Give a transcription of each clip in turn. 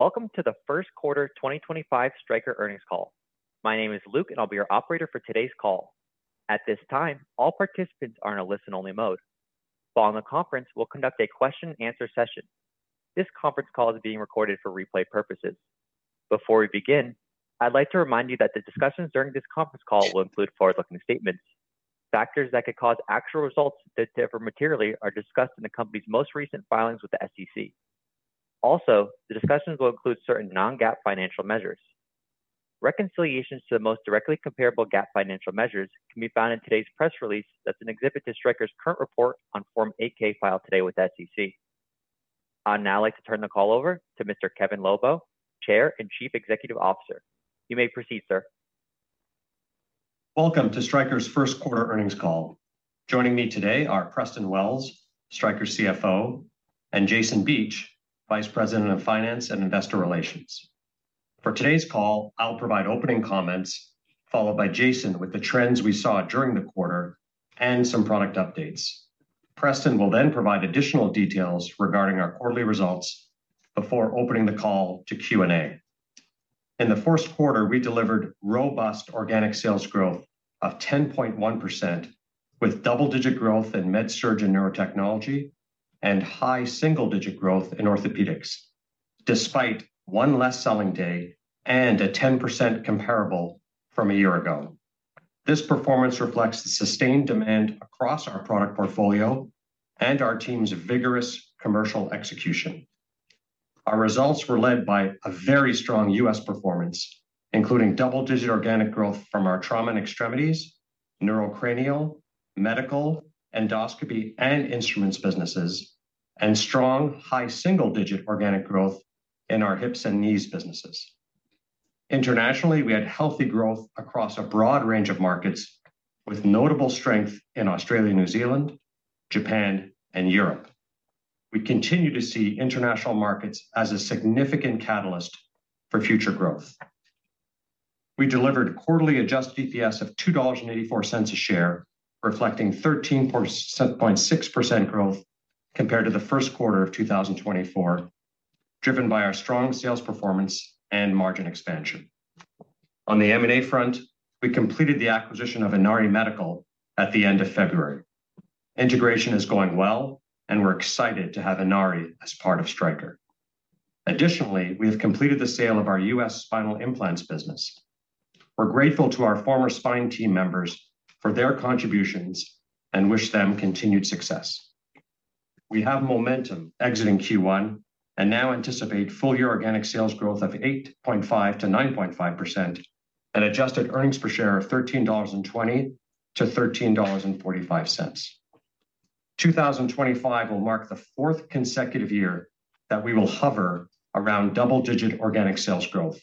Welcome to the first quarter 2025 Stryker earnings call. My name is Luke, and I'll be your operator for today's call. At this time, all participants are in a listen-only mode. While in the conference, we'll conduct a question-and-answer session. This conference call is being recorded for replay purposes. Before we begin, I'd like to remind you that the discussions during this conference call will include forward-looking statements. Factors that could cause actual results to differ materially are discussed in the company's most recent filings with the SEC. Also, the discussions will include certain non-GAAP financial measures. Reconciliations to the most directly comparable GAAP financial measures can be found in today's press release that's an exhibit to Stryker's current report on Form 8-K filed today with the SEC. I'd now like to turn the call over to Mr. Kevin Lobo, Chair and Chief Executive Officer. You may proceed, sir. Welcome to Stryker's first quarter earnings call. Joining me today are Preston Wells, Stryker CFO, and Jason Beach, Vice President of Finance and Investor Relations. For today's call, I'll provide opening comments, followed by Jason with the trends we saw during the quarter and some product updates. Preston will then provide additional details regarding our quarterly results before opening the call to Q&A. In the first quarter, we delivered robust organic sales growth of 10.1% with double-digit growth in MedSurg and Neurotechnology, and high single-digit growth in Orthopaedics, despite one less selling day and a 10% comparable from a year ago. This performance reflects the sustained demand across our product portfolio and our team's vigorous commercial execution. Our results were led by a very strong U.S performance, including double-digit organic growth from our trauma and extremities, neurocranial, medical, endoscopy, and instruments businesses, and strong high single-digit organic growth in our hips and knees businesses. Internationally, we had healthy growth across a broad range of markets, with notable strength in Australia, New Zealand, Japan, and Europe. We continue to see international markets as a significant catalyst for future growth. We delivered quarterly adjusted EPS of $2.84 a share, reflecting 13.6% growth compared to the first quarter of 2024, driven by our strong sales performance and margin expansion. On the M&A front, we completed the acquisition of Inari Medical at the end of February. Integration is going well, and we're excited to have Inari as part of Stryker. Additionally, we have completed the sale of our U.S. spinal implants business. We're grateful to our former Spine Team members for their contributions and wish them continued success. We have momentum exiting Q1 and now anticipate full-year organic sales growth of 8.5%-9.5% and adjusted earnings per share of $13.20-$13.45. 2025 will mark the fourth consecutive year that we will hover around double-digit organic sales growth,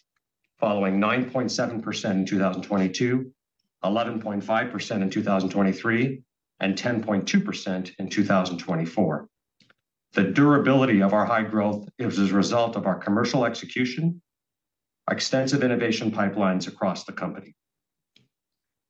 following 9.7% in 2022, 11.5% in 2023, and 10.2% in 2024. The durability of our high growth is a result of our commercial execution and extensive innovation pipelines across the company.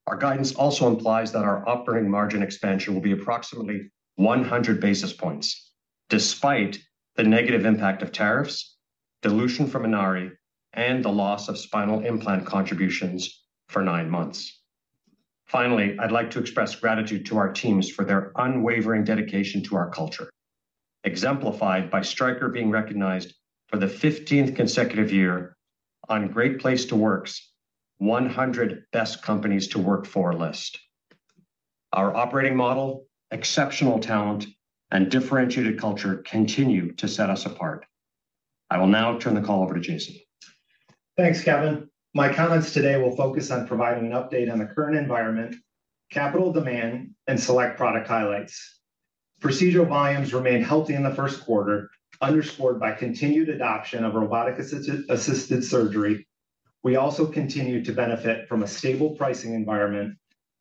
Our guidance also implies that our operating margin expansion will be approximately 100 basis points, despite the negative impact of tariffs, dilution from Inari, and the loss of spinal implant contributions for nine months. Finally, I'd like to express gratitude to our teams for their unwavering dedication to our culture, exemplified by Stryker being recognized for the 15th consecutive year on Great Place to Work's 100 Best Companies to Work For list. Our operating model, exceptional talent, and differentiated culture continue to set us apart. I will now turn the call over to Jason. Thanks, Kevin. My comments today will focus on providing an update on the current environment, capital demand, and select product highlights. Procedural volumes remained healthy in the first quarter, underscored by continued adoption of robotic-assisted surgery. We also continue to benefit from a stable pricing environment,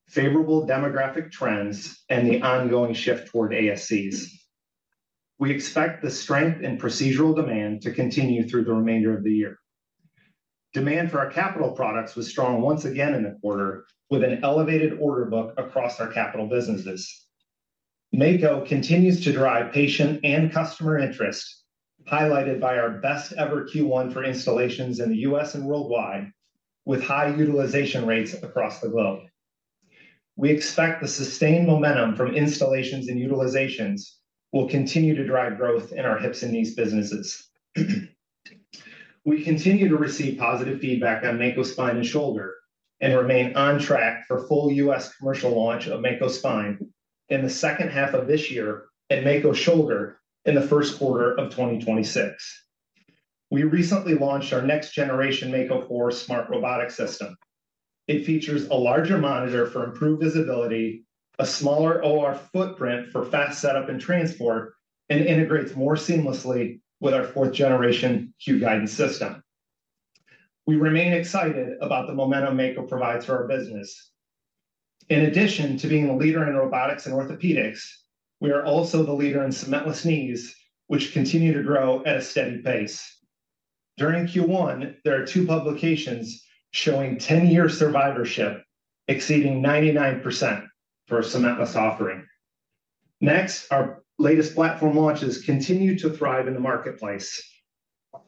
favorable demographic trends, and the ongoing shift toward ASCs. We expect the strength in procedural demand to continue through the remainder of the year. Demand for our capital products was strong once again in the quarter, with an elevated order book across our capital businesses. Mako continues to drive patient and customer interest, highlighted by our best-ever Q1 for installations in the U.S. and worldwide, with high utilization rates across the globe. We expect the sustained momentum from installations and utilizations will continue to drive growth in our hips and knees businesses. We continue to receive positive feedback on Mako Spine and Shoulder and remain on track for full U.S. commercial launch of Mako Spine in the second half of this year and Mako Shoulder in the first quarter of 2026. We recently launched our next-generation Mako4 SmartRobotics system. It features a larger monitor for improved visibility, a smaller OR footprint for fast setup and transport, and integrates more seamlessly with our fourth-generation Q-Guidance system. We remain excited about the momentum Mako provides for our business. In addition to being a leader in robotics and Orthopaedics, we are also the leader in cementless knees, which continue to grow at a steady pace. During Q1, there are two publications showing 10-year survivorship, exceeding 99% for a cementless offering. Next, our latest platform launches continue to thrive in the marketplace.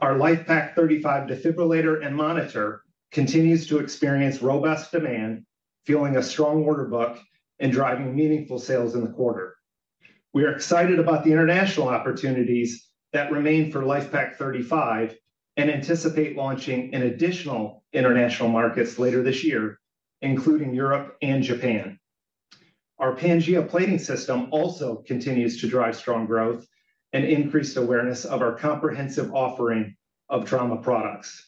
Our LIFEPAK 35 defibrillator and monitor continues to experience robust demand, fueling a strong order book and driving meaningful sales in the quarter. We are excited about the international opportunities that remain for LIFEPAK 35 and anticipate launching in additional international markets later this year, including Europe and Japan. Our Pangea plating system also continues to drive strong growth and increased awareness of our comprehensive offering of trauma products.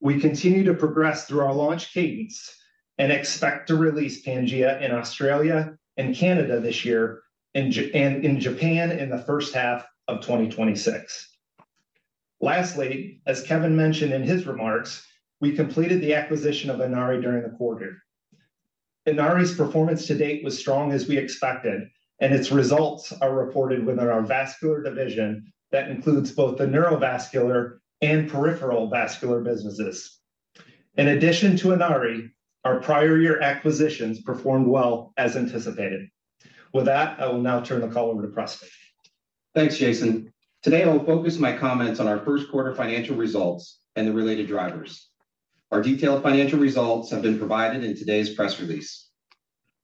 We continue to progress through our launch cadence and expect to release Pangea in Australia and Canada this year and in Japan in the first half of 2026. Lastly, as Kevin mentioned in his remarks, we completed the acquisition of Inari during the quarter. Inari's performance to date was strong, as we expected, and its results are reported within our vascular division that includes both the neurovascular and peripheral vascular businesses. In addition to Inari, our prior-year acquisitions performed well as anticipated. With that, I will now turn the call over to Preston. Thanks, Jason. Today, I'll focus my comments on our first-quarter financial results and the related drivers. Our detailed financial results have been provided in today's press release.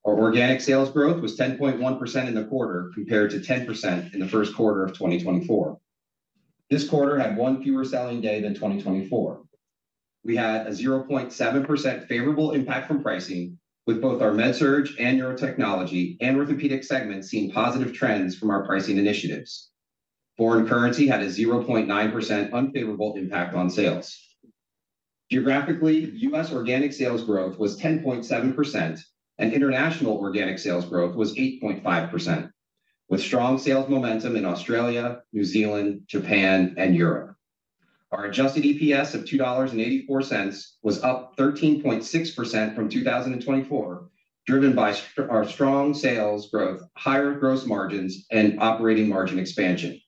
Our organic sales growth was 10.1% in the quarter compared to 10% in the first quarter of 2024. This quarter had one fewer selling day than 2024. We had a 0.7% favorable impact from pricing, with both our MedSurg and Neurotechnology and Orthopaedics segments seeing positive trends from our pricing initiatives. Foreign currency had a 0.9% unfavorable impact on sales. Geographically, U.S. organic sales growth was 10.7%, and international organic sales growth was 8.5%, with strong sales momentum in Australia, New Zealand, Japan, and Europe. Our adjusted EPS of $2.84 was up 13.6% from 2024, driven by our strong sales growth, higher gross margins, and operating margin expansion.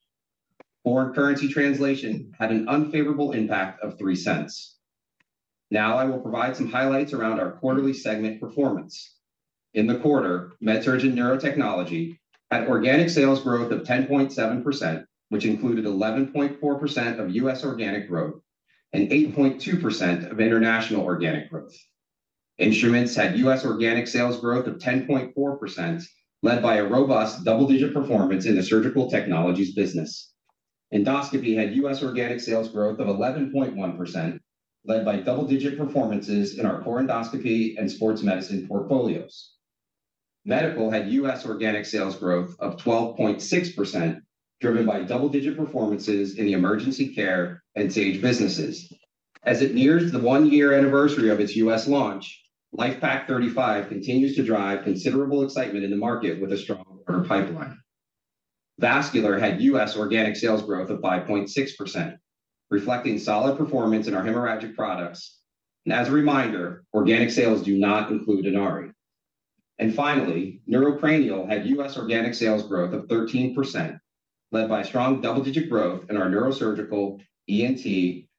Foreign currency translation had an unfavorable impact of $0.03. Now, I will provide some highlights around our quarterly segment performance. In the quarter, MedSurg and Neurotechnology had organic sales growth of 10.7%, which included 11.4% of U.S. organic growth and 8.2% of international organic growth. Instruments had U.S. organic sales growth of 10.4%, led by a robust double-digit performance in the Surgical Technologies business. Endoscopy had U.S. organic sales growth of 11.1%, led by double-digit performances in our core Endoscopy and Sports Medicine portfolios. Medical had U.S. organic sales growth of 12.6%, driven by double-digit performances in the Emergency Care and Sage businesses. As it nears the one-year anniversary of its U.S. launch. LIFEPAK 35 continues to drive considerable excitement in the market with a strong quarter pipeline. Vascular had U.S. organic sales growth of 5.6%, reflecting solid performance in our hemorrhagic products. As a reminder, organic sales do not include Inari. Finally, Neurocranial had U.S. organic sales growth of 13%, led by strong double-digit growth in our Neurosurgical, ENT,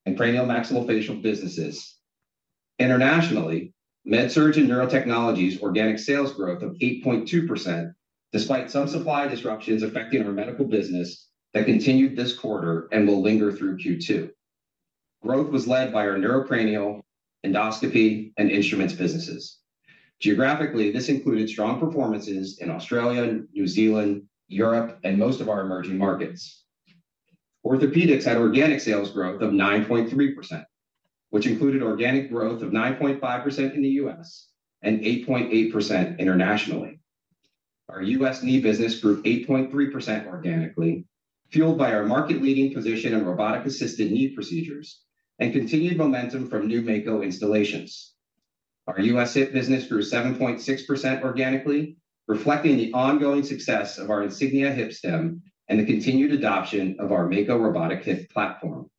and craniomaxillofacial businesses. Internationally, MedSurg and Neurotechnology's organic sales growth was 8.2%, despite some supply disruptions affecting our medical business that continued this quarter and will linger through Q2. Growth was led by our neurocranial, endoscopy, and instruments businesses. Geographically, this included strong performances in Australia, New Zealand, Europe, and most of our emerging markets. Orthopaedics had organic sales growth of 9.3%, which included organic growth of 9.5% in the U.S. and 8.8% internationally. Our U.S. Knee business grew 8.3% organically, fueled by our market-leading position in robotic-assisted knee procedures and continued momentum from new Mako installations. Our U.S. hip business grew 7.6% organically, reflecting the ongoing success of our Insignia Hip Stem and the continued adoption of our Mako robotic hip platform.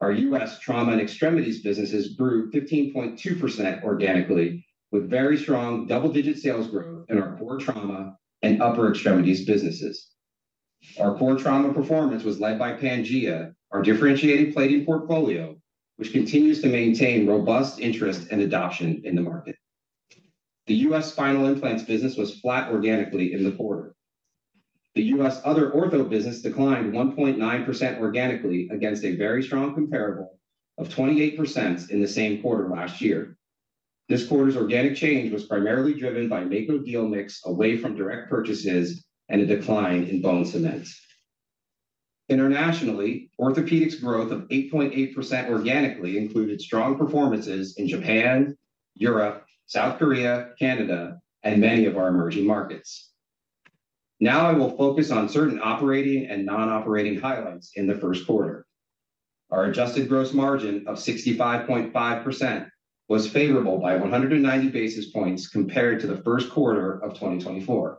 Our U.S. trauma and extremities businesses grew 15.2% organically, with very strong double-digit sales growth in our core trauma and upper extremities businesses. Our core trauma performance was led by Pangea, our differentiated plating portfolio, which continues to maintain robust interest and adoption in the market. The U.S. spinal implants business was flat organically in the quarter. The U.S. other ortho business declined 1.9% organically against a very strong comparable of 28% in the same quarter last year. This quarter's organic change was primarily driven by Mako deal mix away from direct purchases and a decline in bone cement. Internationally, Orthopaedics growth of 8.8% organically included strong performances in Japan, Europe, South Korea, Canada, and many of our emerging markets. Now, I will focus on certain operating and non-operating highlights in the first quarter. Our adjusted gross margin of 65.5% was favorable by 190 basis points compared to the first quarter of 2024.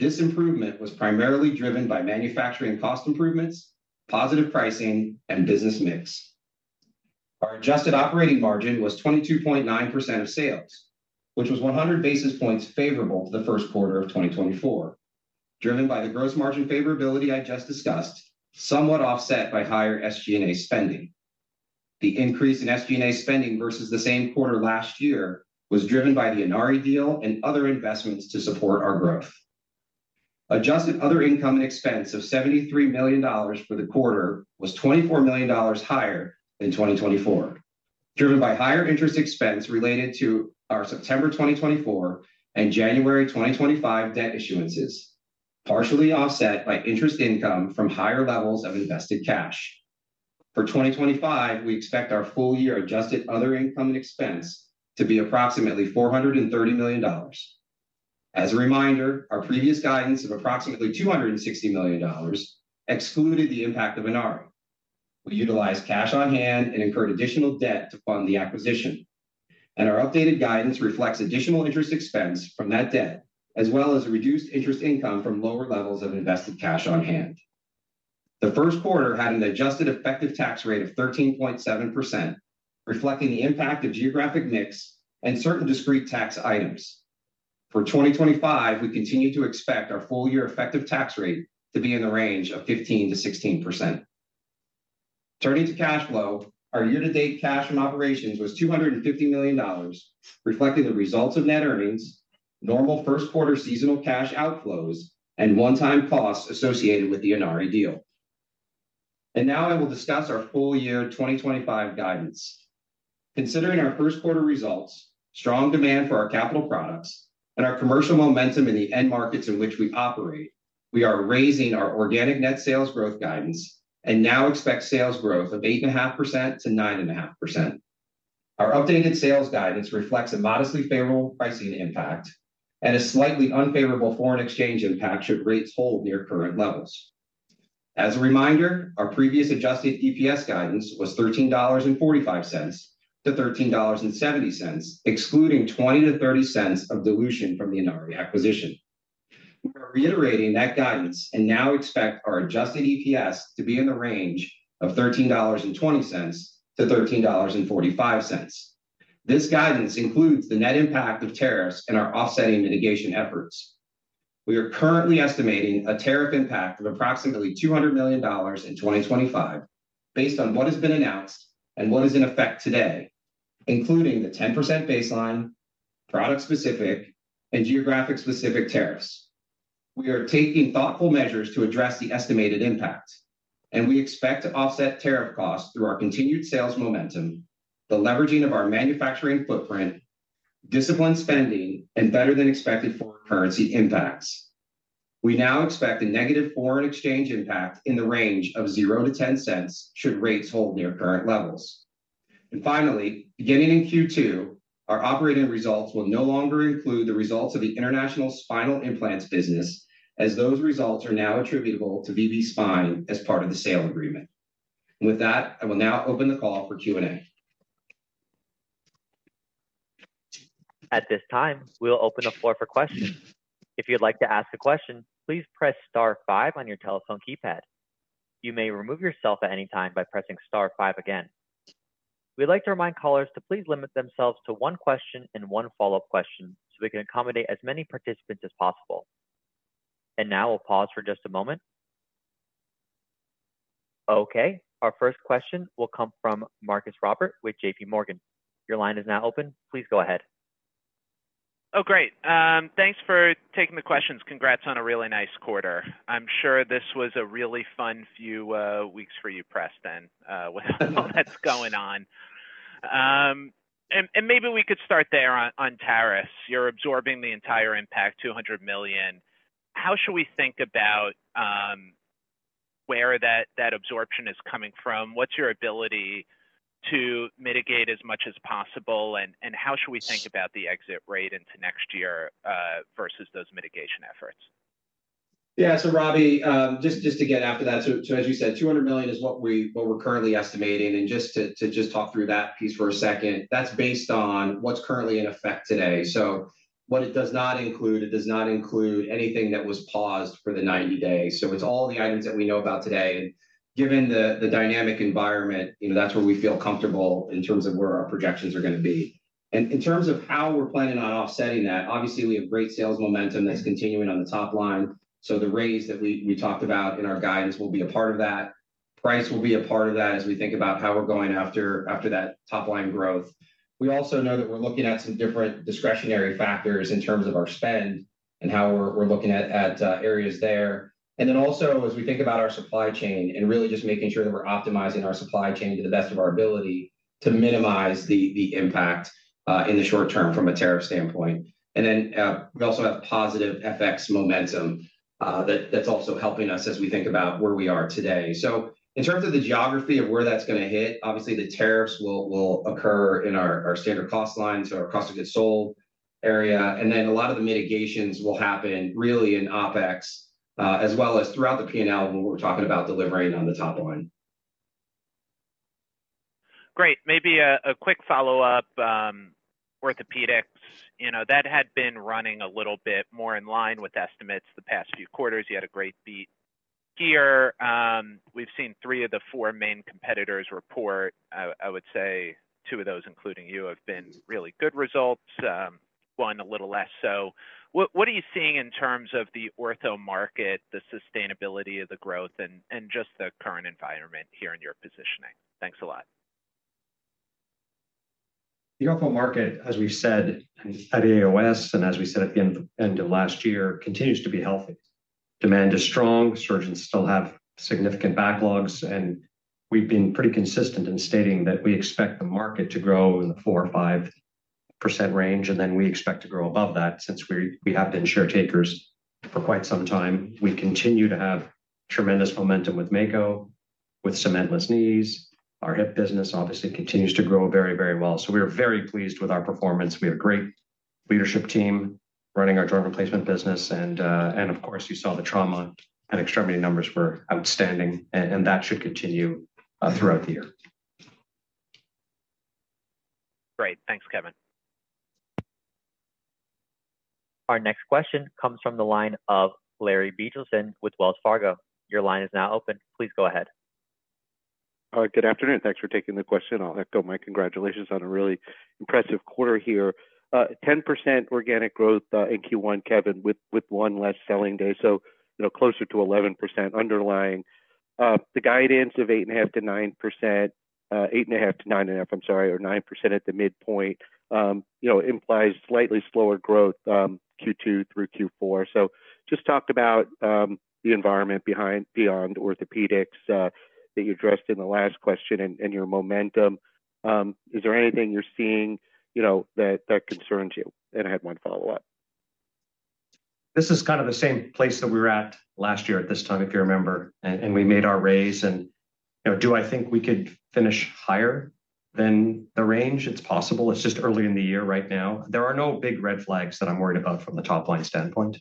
This improvement was primarily driven by manufacturing cost improvements, positive pricing, and business mix. Our adjusted operating margin was 22.9% of sales, which was 100 basis points favorable to the first quarter of 2024, driven by the gross margin favorability I just discussed, somewhat offset by higher SG&A spending. The increase in SG&A spending versus the same quarter last year was driven by the Inari deal and other investments to support our growth. Adjusted other income and expense of $73 million for the quarter was $24 million higher than 2024, driven by higher interest expense related to our September 2024 and January 2025 debt issuances, partially offset by interest income from higher levels of invested cash. For 2025, we expect our full-year adjusted other income and expense to be approximately $430 million. As a reminder, our previous guidance of approximately $260 million excluded the impact of Inari. We utilized cash on hand and incurred additional debt to fund the acquisition. Our updated guidance reflects additional interest expense from that debt, as well as reduced interest income from lower levels of invested cash on hand. The first quarter had an adjusted effective tax rate of 13.7%, reflecting the impact of geographic mix and certain discrete tax items. For 2025, we continue to expect our full-year effective tax rate to be in the range of 15%-16%. Turning to cash flow, our year-to-date cash from operations was $250 million, reflecting the results of net earnings, normal first-quarter seasonal cash outflows, and one-time costs associated with the Inari deal. I will now discuss our full-year 2025 guidance. Considering our first-quarter results, strong demand for our capital products, and our commercial momentum in the end markets in which we operate, we are raising our organic net sales growth guidance and now expect sales growth of 8.5%-9.5%. Our updated sales guidance reflects a modestly favorable pricing impact and a slightly unfavorable foreign exchange impact should rates hold near current levels. As a reminder, our previous adjusted EPS guidance was $13.45-$13.70, excluding 20%-30% of dilution from the Inari acquisition. We are reiterating that guidance and now expect our adjusted EPS to be in the range of $13.20-$13.45. This guidance includes the net impact of tariffs and our offsetting mitigation efforts. We are currently estimating a tariff impact of approximately $200 million in 2025, based on what has been announced and what is in effect today, including the 10% baseline, product-specific, and geographic-specific tariffs. We are taking thoughtful measures to address the estimated impact, and we expect to offset tariff costs through our continued sales momentum, the leveraging of our manufacturing footprint, disciplined spending, and better-than-expected foreign currency impacts. We now expect a negative foreign exchange impact in the range of $0-$0.10 should rates hold near current levels. Finally, beginning in Q2, our operating results will no longer include the results of the international spinal implants business, as those results are now attributable to VB Spine as part of the sale agreement. With that, I will now open the call for Q&A. At this time, we'll open the floor for questions. If you'd like to ask a question, please press star five on your telephone keypad. You may remove yourself at any time by pressing star five again. We'd like to remind callers to please limit themselves to one question and one follow-up question so we can accommodate as many participants as possible. Now, we'll pause for just a moment. Okay. Our first question will come from Marcus Robert with JPMorgan. Your line is now open. Please go ahead. Oh, great. Thanks for taking the questions. Congrats on a really nice quarter. I'm sure this was a really fun few weeks for you, Preston, with all that's going on. Maybe we could start there on tariffs. You're absorbing the entire impact, $200 million. How should we think about where that absorption is coming from? What's your ability to mitigate as much as possible? How should we think about the exit rate into next year versus those mitigation efforts? Yeah. Robbie, just to get after that, as you said, $200 million is what we're currently estimating. Just to talk through that piece for a second, that's based on what's currently in effect today. What it does not include, it does not include anything that was paused for the 90 days. It's all the items that we know about today. Given the dynamic environment, that's where we feel comfortable in terms of where our projections are going to be. In terms of how we're planning on offsetting that, obviously, we have great sales momentum that's continuing on the top line. The raise that we talked about in our guidance will be a part of that. Price will be a part of that as we think about how we're going after that top-line growth. We also know that we're looking at some different discretionary factors in terms of our spend and how we're looking at areas there. Also, as we think about our supply chain and really just making sure that we're optimizing our supply chain to the best of our ability to minimize the impact in the short term from a tariff standpoint. We also have positive FX momentum that's also helping us as we think about where we are today. In terms of the geography of where that's going to hit, obviously, the tariffs will occur in our standard cost line, so our cost of goods sold area. A lot of the mitigations will happen really in OpEx, as well as throughout the P&L, what we're talking about delivering on the top line. Great. Maybe a quick follow-up. Orthopaedics, that had been running a little bit more in line with estimates the past few quarters. You had a great beat here. We've seen three of the four main competitors report, I would say two of those, including you, have been really good results. One a little less so. What are you seeing in terms of the ortho market, the sustainability of the growth, and just the current environment here in your positioning? Thanks a lot. The ortho market, as we've said, at AAOS and as we said at the end of last year, continues to be healthy. Demand is strong. Surgeons still have significant backlogs. We have been pretty consistent in stating that we expect the market to grow in the 4%-5% range. We expect to grow above that since we have been share takers for quite some time. We continue to have tremendous momentum with Mako, with cementless knees. Our hip business obviously continues to grow very, very well. We are very pleased with our performance. We have a great leadership team running our joint replacement business. You saw the trauma and extremity numbers were outstanding. That should continue throughout the year. Great. Thanks, Kevin. Our next question comes from the line of Larry Biegelsen with Wells Fargo. Your line is now open. Please go ahead. Good afternoon. Thanks for taking the question. I'll echo my congratulations on a really impressive quarter here. 10% organic growth in Q1, Kevin, with one less selling day. So closer to 11% underlying. The guidance of 8.5%-9%, 8.5%-9.5%, I'm sorry, or 9% at the midpoint implies slightly slower growth Q2 through Q4. Just talk about the environment beyond Orthopaedics that you addressed in the last question and your momentum. Is there anything you're seeing that concerns you? I had one follow-up. This is kind of the same place that we were at last year at this time, if you remember. We made our raise. Do I think we could finish higher than the range? It's possible. It's just early in the year right now. There are no big red flags that I'm worried about from the top-line standpoint.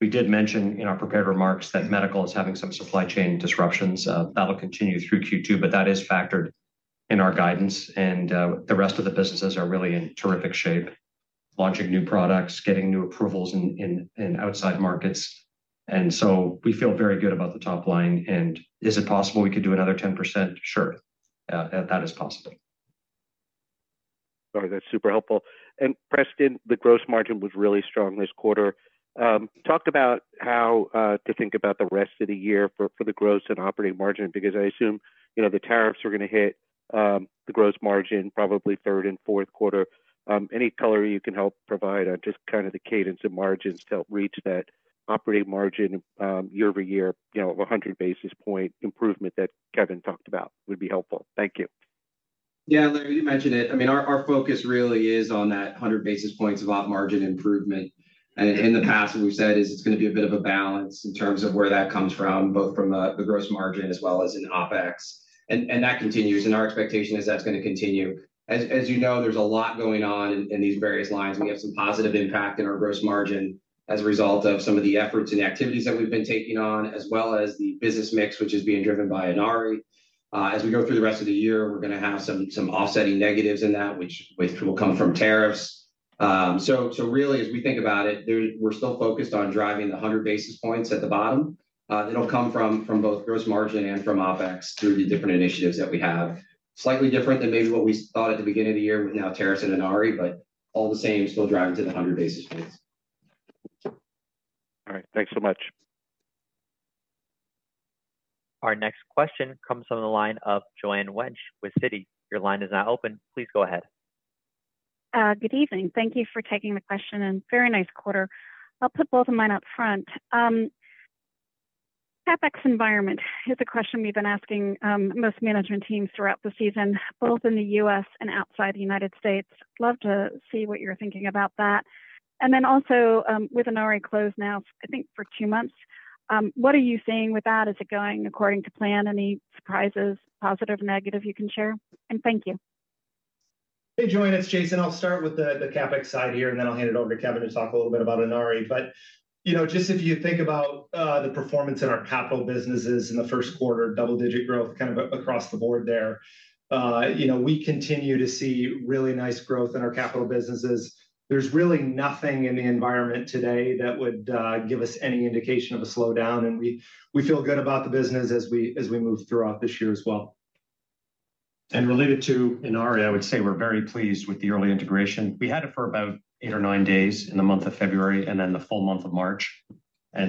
We did mention in our prepared remarks that medical is having some supply chain disruptions. That'll continue through Q2, but that is factored in our guidance. The rest of the businesses are really in terrific shape, launching new products, getting new approvals in outside markets. We feel very good about the top line. Is it possible we could do another 10%? Sure. That is possible. Sorry. That's super helpful. Preston, the gross margin was really strong this quarter. Talk about how to think about the rest of the year for the gross and operating margin, because I assume the tariffs are going to hit the gross margin probably third and fourth quarter. Any color you can help provide on just kind of the cadence of margins to help reach that operating margin year-over-year of 100 basis point improvement that Kevin talked about would be helpful. Thank you. Yeah. Larry, you mentioned it. I mean, our focus really is on that 100 basis points of op margin improvement. In the past, what we've said is it's going to be a bit of a balance in terms of where that comes from, both from the gross margin as well as in OpEx. That continues. Our expectation is that's going to continue. As you know, there's a lot going on in these various lines. We have some positive impact in our gross margin as a result of some of the efforts and activities that we've been taking on, as well as the business mix, which is being driven by Inari. As we go through the rest of the year, we're going to have some offsetting negatives in that, which will come from tariffs. Really, as we think about it, we're still focused on driving the 100 basis points at the bottom. It'll come from both gross margin and from OpEx through the different initiatives that we have. Slightly different than maybe what we thought at the beginning of the year with now tariffs and Inari, but all the same, still driving to the 100 basis points. All right. Thanks so much. Our next question comes from the line of Joanne Wuensch with Citi. Your line is now open. Please go ahead. Good evening. Thank you for taking the question. Very nice quarter. I'll put both of mine up front. CapEx environment is a question we've been asking most management teams throughout the season, both in the U.S. and outside the United States. Love to see what you're thinking about that. Also, with Inari closed now, I think, for two months, what are you seeing with that? Is it going according to plan? Any surprises, positive, negative you can share? Thank you. Hey, Joanne. It's Jason. I'll start with the CapEx side here, then I'll hand it over to Kevin to talk a little bit about Inari. If you think about the performance in our capital businesses in the first quarter, double-digit growth kind of across the board there, we continue to see really nice growth in our capital businesses. There's really nothing in the environment today that would give us any indication of a slowdown. We feel good about the business as we move throughout this year as well. Related to Inari, I would say we're very pleased with the early integration. We had it for about eight or nine days in the month of February and then the full month of March.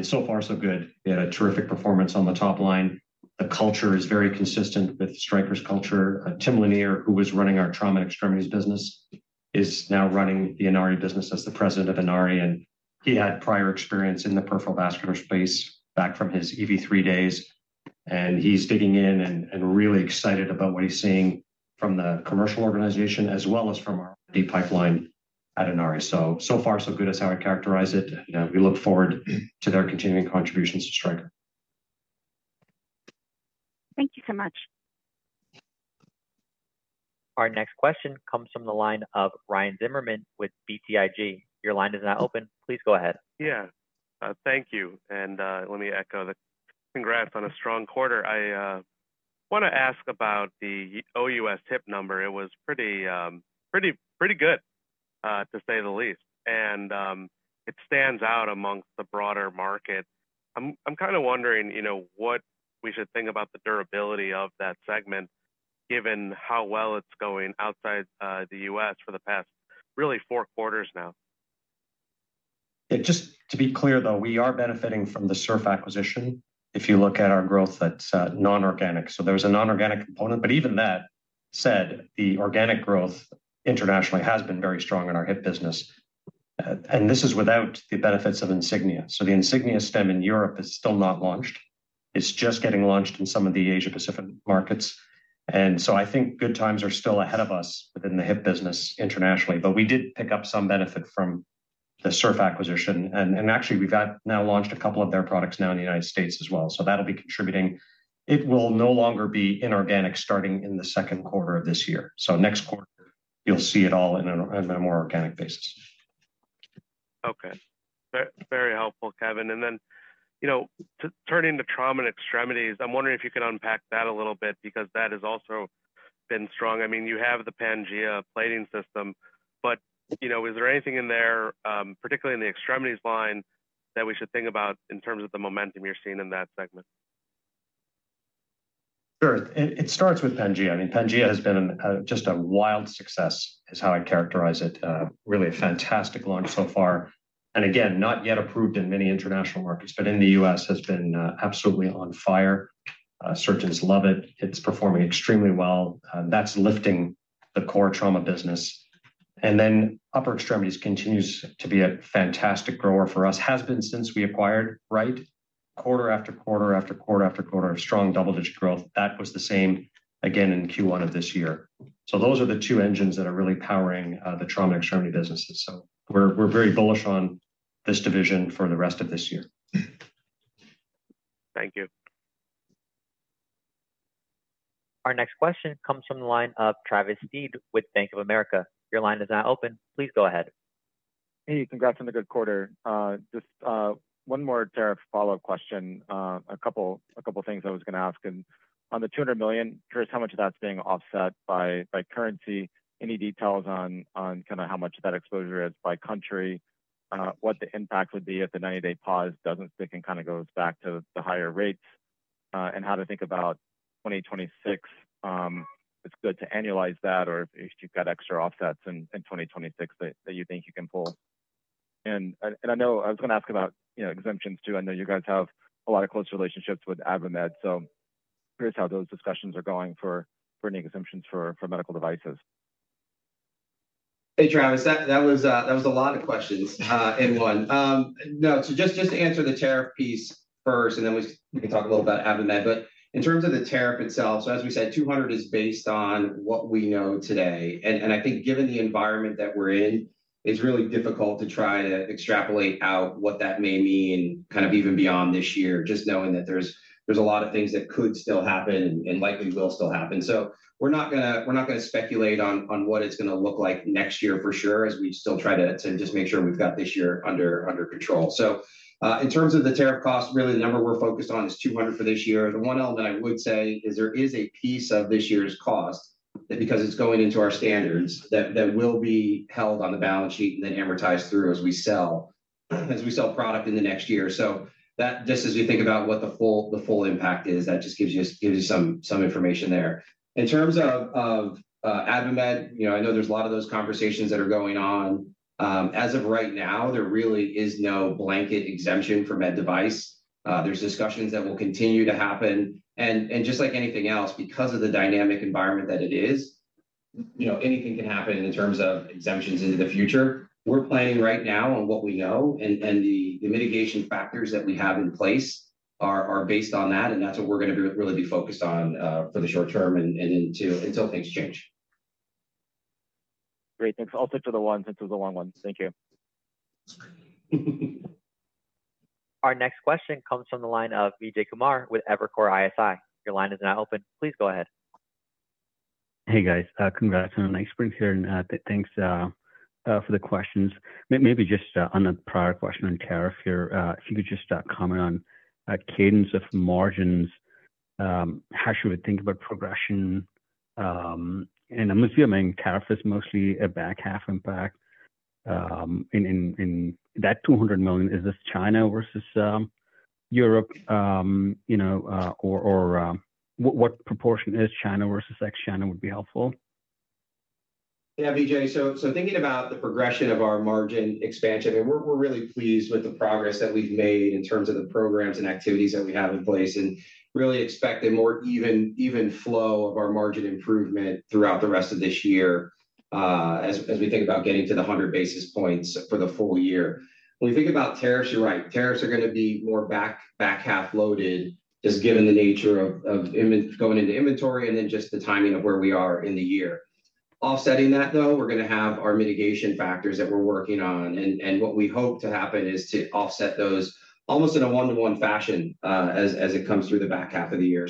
So far, so good. We had a terrific performance on the top line. The culture is very consistent with Stryker's culture. Tim Lanier, who was running our trauma and extremities business, is now running the Inari business as the President of Inari. He had prior experience in the peripheral vascular space back from his ev3 days. He's digging in and really excited about what he's seeing from the commercial organization as well as from our pipeline at Inari. So far, so good is how I characterize it. We look forward to their continuing contributions to Stryker. Thank you so much. Our next question comes from the line of Ryan Zimmerman with BTIG. Your line is now open. Please go ahead. Yeah. Thank you. Let me echo the congrats on a strong quarter. I want to ask about the OUS tip number. It was pretty good, to say the least. It stands out amongst the broader market. I'm kind of wondering what we should think about the durability of that segment given how well it's going outside the U.S. for the past really four quarters now. Just to be clear, though, we are benefiting from the SERF acquisition if you look at our growth that's non-organic. There was a non-organic component. Even that said, the organic growth internationally has been very strong in our hip business. This is without the benefits of Insignia. The Insignia stem in Europe is still not launched. It's just getting launched in some of the Asia-Pacific markets. I think good times are still ahead of us within the hip business internationally. We did pick up some benefit from the SERF acquisition. Actually, we've now launched a couple of their products now in the U.S. as well. That'll be contributing. It will no longer be inorganic starting in the second quarter of this year. Next quarter, you'll see it all in a more organic basis. Okay. Very helpful, Kevin. Turning to trauma and extremities, I'm wondering if you can unpack that a little bit because that has also been strong. I mean, you have the Pangea plating system. Is there anything in there, particularly in the extremities line, that we should think about in terms of the momentum you're seeing in that segment? Sure. It starts with Pangea. I mean, Pangea has been just a wild success, is how I characterize it. Really a fantastic launch so far. Again, not yet approved in many international markets, but in the U.S. has been absolutely on fire. Surgeons love it. It's performing extremely well. That's lifting the core trauma business. Upper extremities continues to be a fantastic grower for us, has been since we acquired, right? Quarter after quarter after quarter after quarter of strong double-digit growth. That was the same again in Q1 of this year. Those are the two engines that are really powering the trauma and extremity businesses. We're very bullish on this division for the rest of this year. Thank you. Our next question comes from the line of Travis Steed with Bank of America. Your line is now open. Please go ahead. Hey, congrats on the good quarter. Just one more tariff follow-up question. A couple of things I was going to ask. On the $200 million, just how much of that's being offset by currency? Any details on kind of how much of that exposure is by country? What the impact would be if the 90-day pause doesn't stick and kind of goes back to the higher rates? How to think about 2026? Is it good to annualize that or if you've got extra offsets in 2026 that you think you can pull? I know I was going to ask about exemptions too. I know you guys have a lot of close relationships with AdvaMed. Curious how those discussions are going for any exemptions for medical devices. Hey, Travis, that was a lot of questions in one. No. Just to answer the tariff piece first, and then we can talk a little about AdvaMed. In terms of the tariff itself, as we said, $200 million is based on what we know today. I think given the environment that we're in, it's really difficult to try to extrapolate out what that may mean kind of even beyond this year, just knowing that there's a lot of things that could still happen and likely will still happen. We're not going to speculate on what it's going to look like next year for sure as we still try to just make sure we've got this year under control. In terms of the tariff cost, really the number we're focused on is $200 million for this year. The one element I would say is there is a piece of this year's cost that, because it's going into our standards, that will be held on the balance sheet and then amortized through as we sell product in the next year. Just as we think about what the full impact is, that just gives you some information there. In terms of AdvaMed, I know there's a lot of those conversations that are going on. As of right now, there really is no blanket exemption for med device. There are discussions that will continue to happen. Just like anything else, because of the dynamic environment that it is, anything can happen in terms of exemptions into the future. We're planning right now on what we know. The mitigation factors that we have in place are based on that. That's what we're going to really be focused on for the short term until things change. Great. Thanks. I'll stick to the ones since it was a long one. Thank you. Our next question comes from the line of Vijay Kumar with Evercore ISI. Your line is now open. Please go ahead. Hey, guys. Congrats on a nice spring clearing. Thanks for the questions. Maybe just on the prior question on tariff, if you could just comment on cadence of margins, how should we think about progression? I'm assuming tariff is mostly a back half impact. That $200 million, is this China versus Europe? Or what proportion is China versus ex-China would be helpful? Yeah, Vijay. Thinking about the progression of our margin expansion, I mean, we're really pleased with the progress that we've made in terms of the programs and activities that we have in place and really expect a more even flow of our margin improvement throughout the rest of this year as we think about getting to the 100 basis points for the full year. When we think about tariffs, you're right. Tariffs are going to be more back half loaded just given the nature of going into inventory and then just the timing of where we are in the year. Offsetting that, though, we're going to have our mitigation factors that we're working on. What we hope to happen is to offset those almost in a one-to-one fashion as it comes through the back half of the year.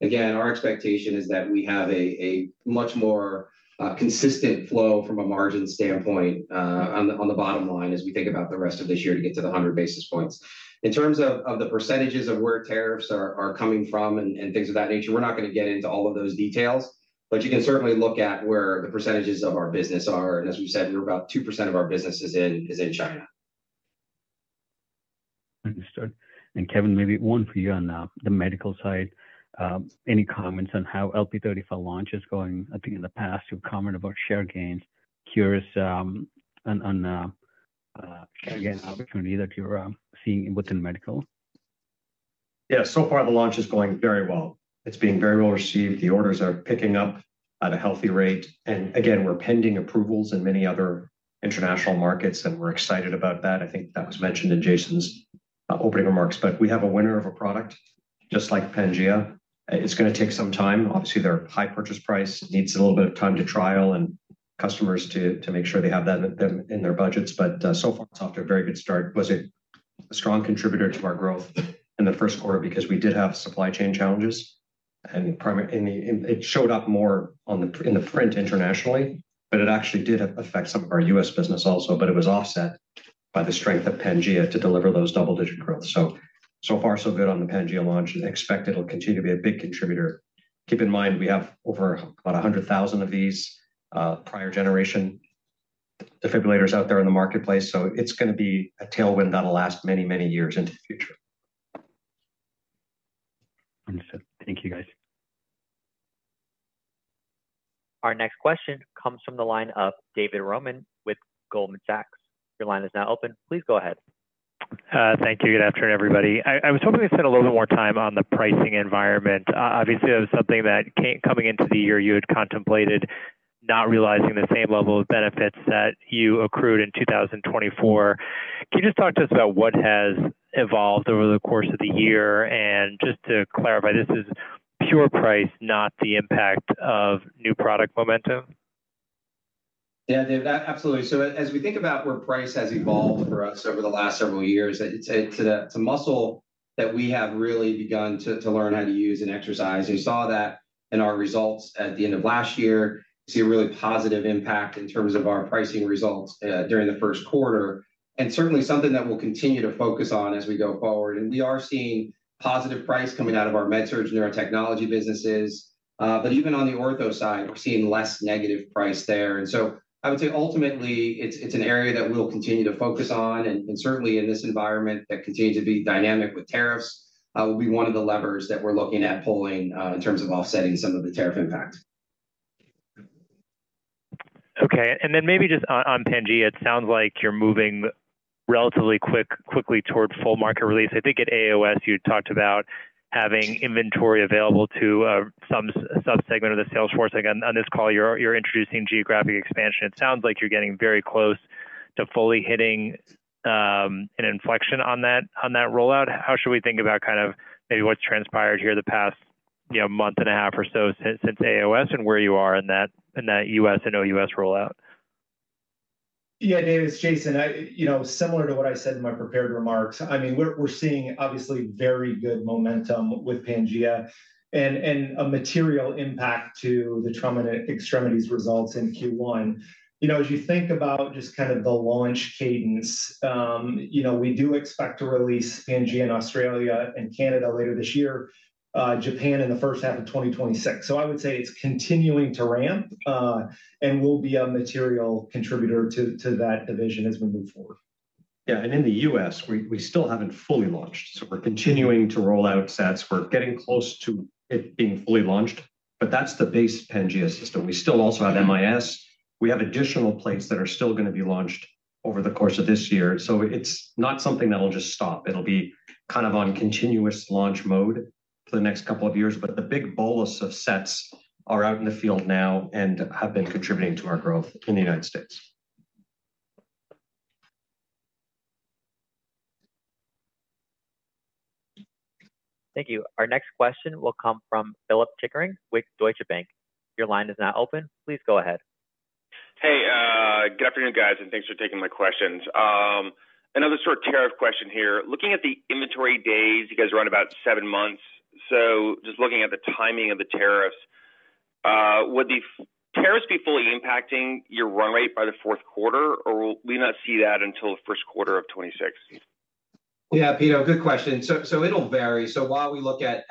Again, our expectation is that we have a much more consistent flow from a margin standpoint on the bottom line as we think about the rest of this year to get to the 100 basis points. In terms of the percentages of where tariffs are coming from and things of that nature, we're not going to get into all of those details. You can certainly look at where the percentages of our business are. As we said, about 2% of our business is in China. Understood. Kevin, maybe one for you on the medical side. Any comments on how LIFEPAK 35 launch is going? I think in the past, you've commented about share gains. Curious on, again, opportunity that you're seeing within medical. Yeah. So far, the launch is going very well. It's being very well received. The orders are picking up at a healthy rate. Again, we're pending approvals in many other international markets, and we're excited about that. I think that was mentioned in Jason's opening remarks. We have a winner of a product just like Pangea. It's going to take some time. Obviously, their high purchase price needs a little bit of time to trial and customers to make sure they have that in their budgets. So far, it's off to a very good start. Was a strong contributor to our growth in the first quarter because we did have supply chain challenges. It showed up more in the print internationally, but it actually did affect some of our U.S. business also. It was offset by the strength of Pangea to deliver those double-digit growth. So far, so good on the Pangea launch. Expect it'll continue to be a big contributor. Keep in mind, we have over about 100,000 of these prior generation defibrillators out there in the marketplace. It's going to be a tailwind that'll last many, many years into the future. Understood. Thank you, guys. Our next question comes from the line of David Roman with Goldman Sachs. Your line is now open. Please go ahead. Thank you. Good afternoon, everybody. I was hoping we'd spend a little bit more time on the pricing environment. Obviously, that was something that coming into the year, you had contemplated not realizing the same level of benefits that you accrued in 2024. Can you just talk to us about what has evolved over the course of the year? Just to clarify, this is pure price, not the impact of new product momentum? Yeah, David, absolutely. As we think about where price has evolved for us over the last several years, it's a muscle that we have really begun to learn how to use and exercise. We saw that in our results at the end of last year. We see a really positive impact in terms of our pricing results during the first quarter, and certainly something that we'll continue to focus on as we go forward. We are seeing positive price coming out of our MedSurg Neurotechnology businesses. Even on the ortho side, we're seeing less negative price there. I would say ultimately, it's an area that we'll continue to focus on. Certainly, in this environment that continues to be dynamic with tariffs, price will be one of the levers that we're looking at pulling in terms of offsetting some of the tariff impact. Okay. Maybe just on Pangea, it sounds like you're moving relatively quickly toward full market release. I think at AAOS, you talked about having inventory available to some subsegment of the sales force. Again, on this call, you're introducing geographic expansion. It sounds like you're getting very close to fully hitting an inflection on that rollout. How should we think about kind of maybe what's transpired here the past month and a half or so since AAOS and where you are in that U.S. and OUS rollout? Yeah, David, it's Jason. Similar to what I said in my prepared remarks, I mean, we're seeing obviously very good momentum with Pangea and a material impact to the trauma and extremities results in Q1. As you think about just kind of the launch cadence, we do expect to release Pangea in Australia and Canada later this year, Japan in the first half of 2026. I would say it's continuing to ramp and will be a material contributor to that division as we move forward. Yeah. In the U.S., we still have not fully launched. We are continuing to roll out sets. We are getting close to it being fully launched. That is the base Pangea system. We still also have MIS. We have additional plates that are still going to be launched over the course of this year. It is not something that will just stop. It will be kind of on continuous launch mode for the next couple of years. The big bolus of sets are out in the field now and have been contributing to our growth in the United States. Thank you. Our next question will come from Philip Chickering with Deutsche Bank. Your line is now open. Please go ahead. Hey, good afternoon, guys. Thanks for taking my questions. Another sort of tariff question here. Looking at the inventory days, you guys are on about seven months. Just looking at the timing of the tariffs, would the tariffs be fully impacting your run rate by the fourth quarter, or will we not see that until the first quarter of 2026? Yeah, Philip, good question. It will vary. While we look at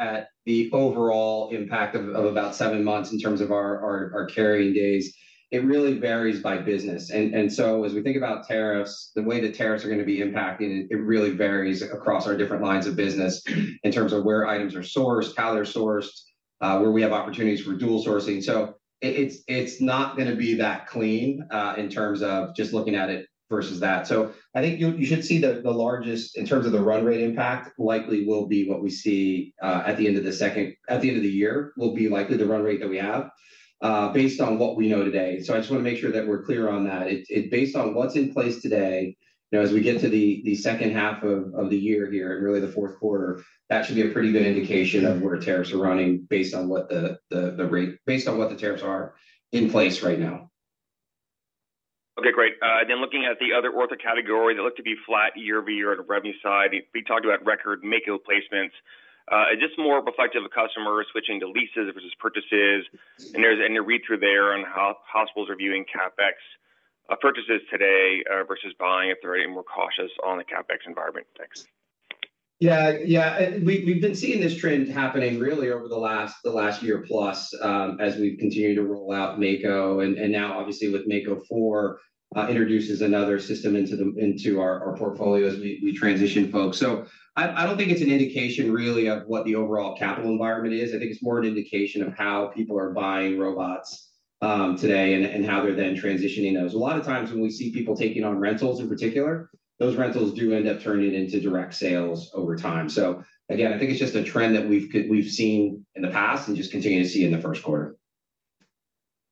the overall impact of about seven months in terms of our carrying days, it really varies by business. As we think about tariffs, the way the tariffs are going to be impacted really varies across our different lines of business in terms of where items are sourced, how they're sourced, where we have opportunities for dual sourcing. It is not going to be that clean in terms of just looking at it versus that. I think you should see the largest in terms of the run rate impact likely will be what we see at the end of the second, at the end of the year will be likely the run rate that we have based on what we know today. I just want to make sure that we're clear on that. Based on what's in place today, as we get to the second half of the year here and really the fourth quarter, that should be a pretty good indication of where tariffs are running based on what the rate, based on what the tariffs are in place right now. Okay, great. Then looking at the other ortho category that looked to be flat year-over-year on a revenue side, we talked about record Mako placements. Just more reflective of customers switching to leases versus purchases. Is there a read-through there on how hospitals are viewing CapEx purchases today versus buying if they're any more cautious on the CapEx environment? Thanks. Yeah, yeah. We've been seeing this trend happening really over the last year plus as we've continued to roll out Mako. Now, obviously, with Mako 4 introduces another system into our portfolio as we transition folks. I don't think it's an indication really of what the overall capital environment is. I think it's more an indication of how people are buying robots today and how they're then transitioning those. A lot of times when we see people taking on rentals in particular, those rentals do end up turning into direct sales over time. I think it's just a trend that we've seen in the past and just continue to see in the first quarter.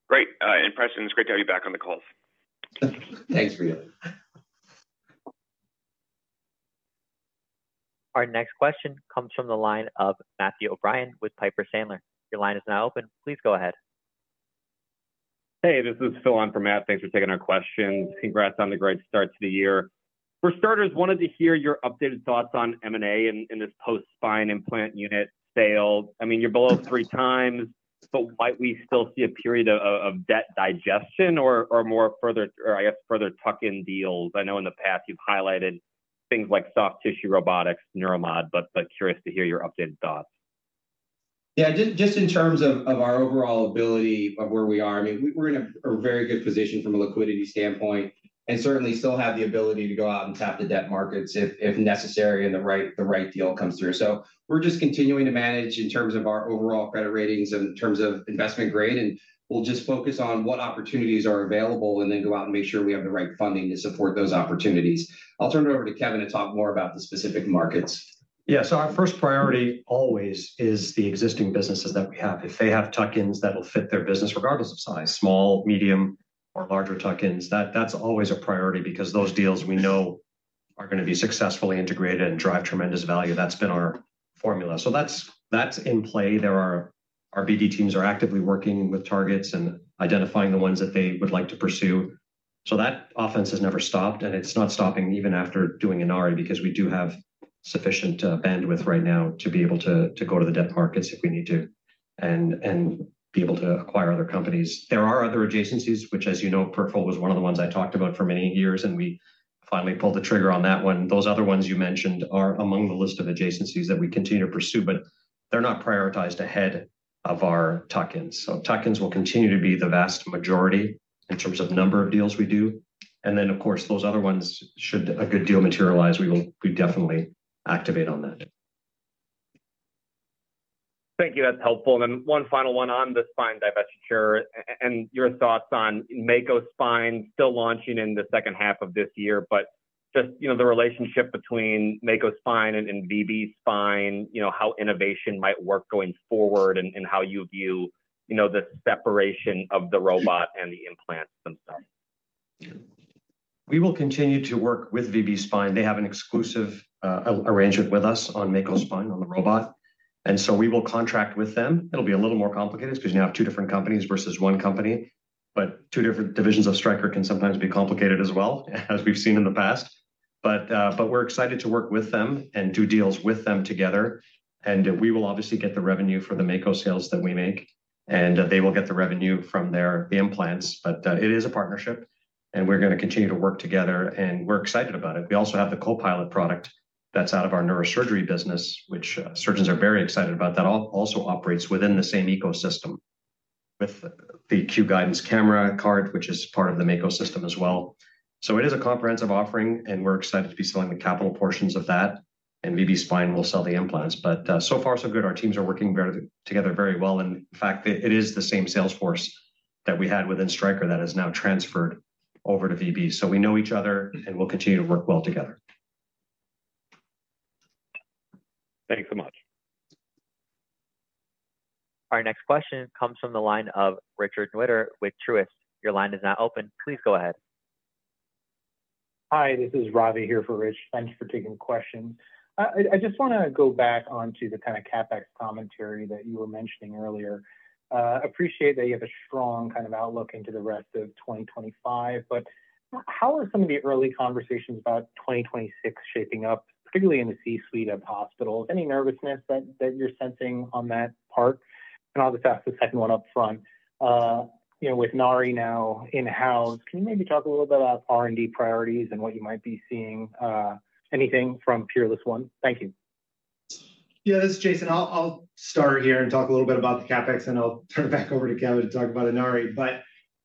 Great and Preston, great to have you back on the call. Thanks, Philip. Our next question comes from the line of Matthew O'Brien with Piper Sandler. Your line is now open. Please go ahead. Hey, this is Phil on from Matt. Thanks for taking our questions. Congrats on the great start to the year. For starters, wanted to hear your updated thoughts on M&A and this post-spine implant unit sale. I mean, you're below three times, but might we still see a period of debt digestion or more further, I guess, further tuck-in deals? I know in the past you've highlighted things like soft tissue robotics, Neuromod, but curious to hear your updated thoughts. Yeah, just in terms of our overall ability of where we are, I mean, we're in a very good position from a liquidity standpoint and certainly still have the ability to go out and tap the debt markets if necessary and the right deal comes through. We're just continuing to manage in terms of our overall credit ratings and in terms of investment grade. We'll just focus on what opportunities are available and then go out and make sure we have the right funding to support those opportunities. I'll turn it over to Kevin to talk more about the specific markets. Yeah. Our first priority always is the existing businesses that we have. If they have tuck-ins that'll fit their business, regardless of size, small, medium, or larger tuck-ins, that's always a priority because those deals we know are going to be successfully integrated and drive tremendous value. That's been our formula. That's in play. Our BD teams are actively working with targets and identifying the ones that they would like to pursue. That offense has never stopped. It's not stopping even after doing an RE because we do have sufficient bandwidth right now to be able to go to the debt markets if we need to and be able to acquire other companies. There are other adjacencies, which, as you know, Peripheral was one of the ones I talked about for many years, and we finally pulled the trigger on that one. Those other ones you mentioned are among the list of adjacencies that we continue to pursue, but they're not prioritized ahead of our tuck-ins. Tuck-ins will continue to be the vast majority in terms of number of deals we do. Of course, those other ones, should a good deal materialize, we will definitely activate on that. Thank you. That's helpful. One final one on the spine divestiture and your thoughts on Mako Spine still launching in the second half of this year, just the relationship between Mako Spine and VB Spine, how innovation might work going forward and how you view the separation of the robot and the implants themselves. We will continue to work with VB Spine. They have an exclusive arrangement with us on Mako Spine, on the robot. We will contract with them. It'll be a little more complicated because now two different companies versus one company. Two different divisions of Stryker can sometimes be complicated as well, as we've seen in the past. We are excited to work with them and do deals with them together. We will obviously get the revenue for the Mako sales that we make, and they will get the revenue from their implants. It is a partnership, and we're going to continue to work together, and we're excited about it. We also have the Copilot product that's out of our neurosurgery business, which surgeons are very excited about that also operates within the same ecosystem with the Q-Guidance camera cart, which is part of the Mako system as well. It is a comprehensive offering, and we're excited to be selling the capital portions of that. VB Spine will sell the implants. So far, so good. Our teams are working together very well. In fact, it is the same sales force that we had within Stryker that has now transferred over to VB. We know each other, and we'll continue to work well together. Thanks so much. Our next question comes from the line of Richard Newitter with Truist. Your line is now open. Please go ahead. Hi, this is Ravi here for Rich. Thanks for taking the question. I just want to go back onto the kind of CapEx commentary that you were mentioning earlier. Appreciate that you have a strong kind of outlook into the rest of 2025. How are some of the early conversations about 2026 shaping up, particularly in the C-suite of hospitals? Any nervousness that you're sensing on that part? I'll just ask the second one up front. With Inari now in-house, can you maybe talk a little bit about R&D priorities and what you might be seeing? Anything from Peerless One? Thank you. Yeah, this is Jason. I'll start here and talk a little bit about the CapEx, and I'll turn it back over to Kevin to talk about the Inari.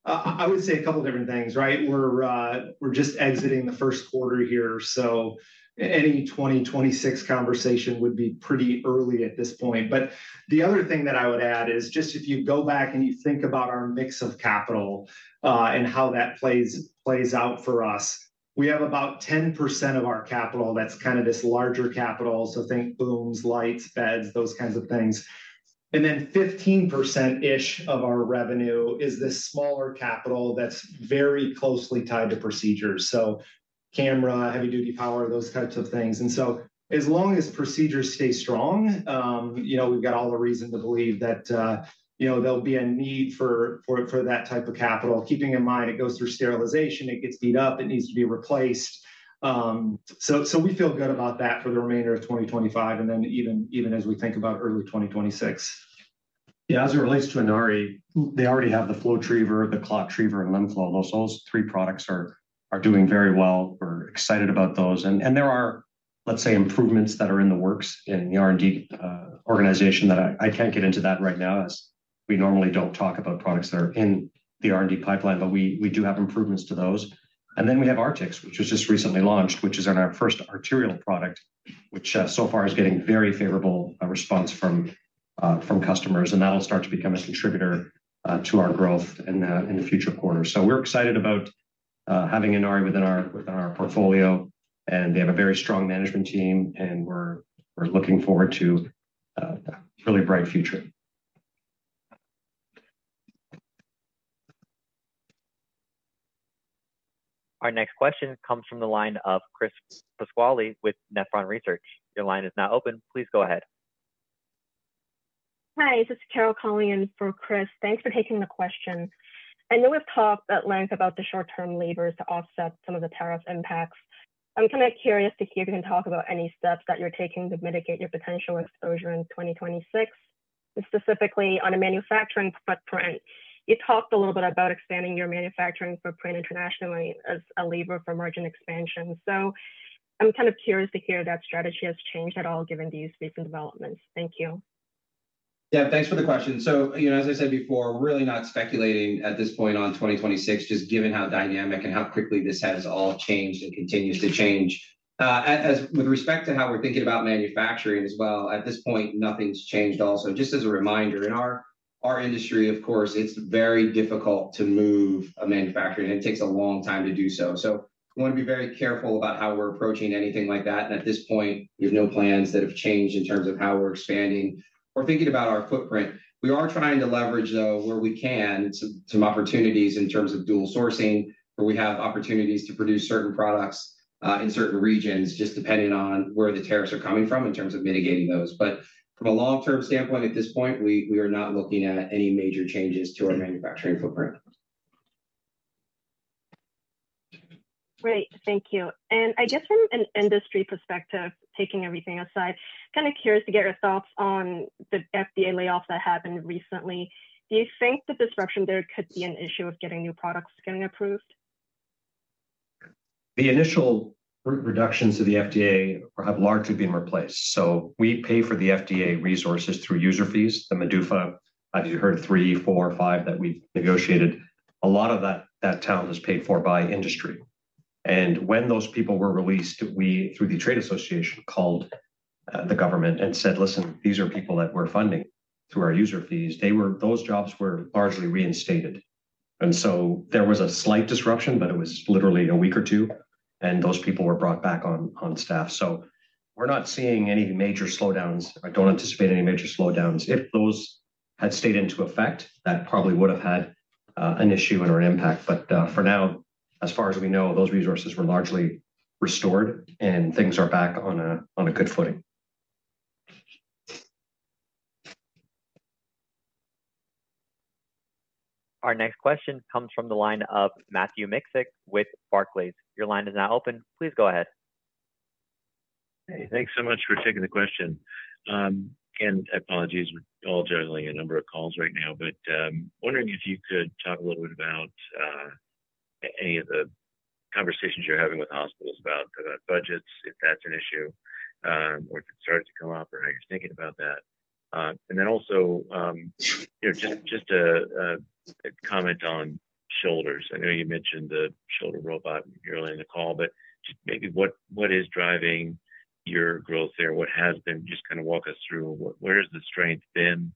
I would say a couple of different things, right? We're just exiting the first quarter here. Any 2026 conversation would be pretty early at this point. The other thing that I would add is just if you go back and you think about our mix of capital and how that plays out for us, we have about 10% of our capital that's kind of this larger capital. Think booms, lights, beds, those kinds of things. Then 15% of our revenue is this smaller capital that's very closely tied to procedures. Camera, heavy-duty power, those types of things. As long as procedures stay strong, we've got all the reason to believe that there'll be a need for that type of capital, keeping in mind it goes through sterilization, it gets beat up, it needs to be replaced. We feel good about that for the remainder of 2025 and then even as we think about early 2026. Yeah, as it relates to Inari, they already have the FlowTriever, the ClotTriever, and InThrill. Those three products are doing very well. We're excited about those. There are, let's say, improvements that are in the works in the R&D organization that I can't get into right now as we normally don't talk about products that are in the R&D pipeline, but we do have improvements to those. We have Artix, which was just recently launched, which is our first arterial product, which so far is getting very favorable response from customers. That'll start to become a contributor to our growth in the future quarter. We're excited about having Inari within our portfolio. They have a very strong management team, and we're looking forward to a really bright future. Our next question comes from the line of Chris Pasquale with Nephron Research. Your line is now open. Please go ahead. Hi, this is Carol calling on for Chris. Thanks for taking the question. I know we've talked at length about the short-term levers to offset some of the tariff impacts. I'm kind of curious to hear if you can talk about any steps that you're taking to mitigate your potential exposure in 2026, specifically on a manufacturing footprint. You talked a little bit about expanding your manufacturing footprint internationally as a lever for margin expansion. I'm kind of curious to hear if that strategy has changed at all given these recent developments. Thank you. Yeah, thanks for the question. As I said before, we're really not speculating at this point on 2026, just given how dynamic and how quickly this has all changed and continues to change. With respect to how we're thinking about manufacturing as well, at this point, nothing's changed also. Just as a reminder, in our industry, of course, it's very difficult to move a manufacturing, and it takes a long time to do so. We want to be very careful about how we're approaching anything like that. At this point, we have no plans that have changed in terms of how we're expanding. We're thinking about our footprint. We are trying to leverage, though, where we can, some opportunities in terms of dual sourcing, where we have opportunities to produce certain products in certain regions, just depending on where the tariffs are coming from in terms of mitigating those. From a long-term standpoint, at this point, we are not looking at any major changes to our manufacturing footprint. Great. Thank you. I guess from an industry perspective, taking everything aside, kind of curious to get your thoughts on the FDA layoffs that happened recently. Do you think the disruption there could be an issue of getting new products getting approved? The initial reductions to the FDA have largely been replaced. We pay for the FDA resources through user fees, the MDUFA. As you heard, three, four, five that we've negotiated. A lot of that talent is paid for by industry. When those people were released, we, through the Trade Association, called the government and said, "Listen, these are people that we're funding through our user fees." Those jobs were largely reinstated. There was a slight disruption, but it was literally a week or two, and those people were brought back on staff. We are not seeing any major slowdowns. I do not anticipate any major slowdowns. If those had stayed into effect, that probably would have had an issue or an impact. For now, as far as we know, those resources were largely restored, and things are back on a good footing. Our next question comes from the line of Matthew Miksic with Barclays. Your line is now open. Please go ahead. Hey, thanks so much for taking the question. Again, apologies. We're all juggling a number of calls right now, but wondering if you could talk a little bit about any of the conversations you're having with hospitals about budgets, if that's an issue, or if it started to come up, or how you're thinking about that. Also just a comment on shoulders. I know you mentioned the shoulder robot earlier in the call, but maybe what is driving your growth there, what has been, just kind of walk us through where has the strength been,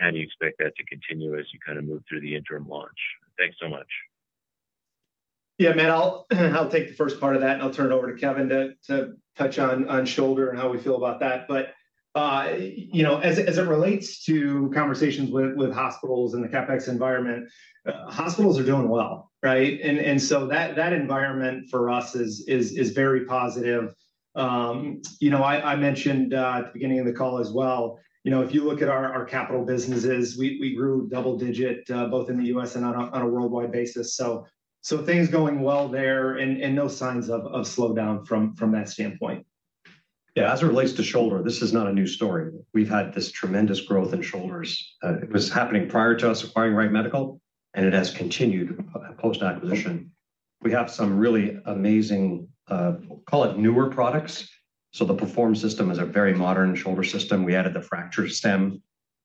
how do you expect that to continue as you kind of move through the interim launch? Thanks so much. Yeah, man, I'll take the first part of that, and I'll turn it over to Kevin to touch on shoulder and how we feel about that. As it relates to conversations with hospitals in the CapEx environment, hospitals are doing well, right? That environment for us is very positive. I mentioned at the beginning of the call as well, if you look at our capital businesses, we grew double-digit both in the U.S. and on a worldwide basis. Things going well there and no signs of slowdown from that standpoint. Yeah, as it relates to shoulder, this is not a new story. We've had this tremendous growth in shoulders. It was happening prior to us acquiring Wright Medical, and it has continued post-acquisition. We have some really amazing, call it newer products. So the Perform system is a very modern shoulder system. We added the fracture stem,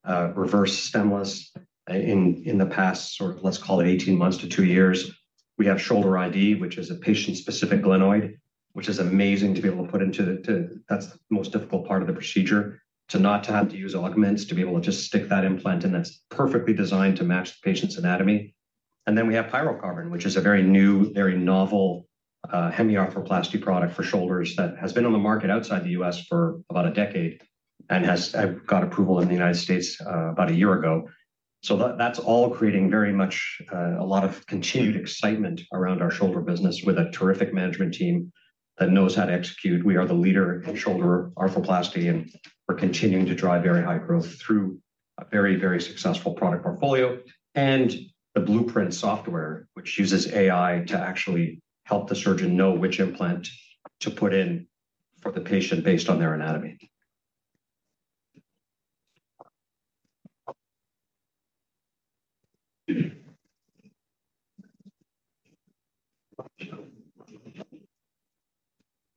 reverse stemless in the past, sort of let's call it 18 months to two years. We have Shoulder iD, which is a patient-specific glenoid, which is amazing to be able to put into that's the most difficult part of the procedure, to not have to use augments to be able to just stick that implant in that's perfectly designed to match the patient's anatomy. We have Pyrocarbon, which is a very new, very novel hemiarthroplasty product for shoulders that has been on the market outside the U.S. for about a decade and has got approval in the United States about a year ago. That is all creating very much a lot of continued excitement around our shoulder business with a terrific management team that knows how to execute. We are the leader in shoulder arthroplasty, and we're continuing to drive very high growth through a very, very successful product portfolio. The Blueprint software, which uses AI to actually help the surgeon know which implant to put in for the patient based on their anatomy.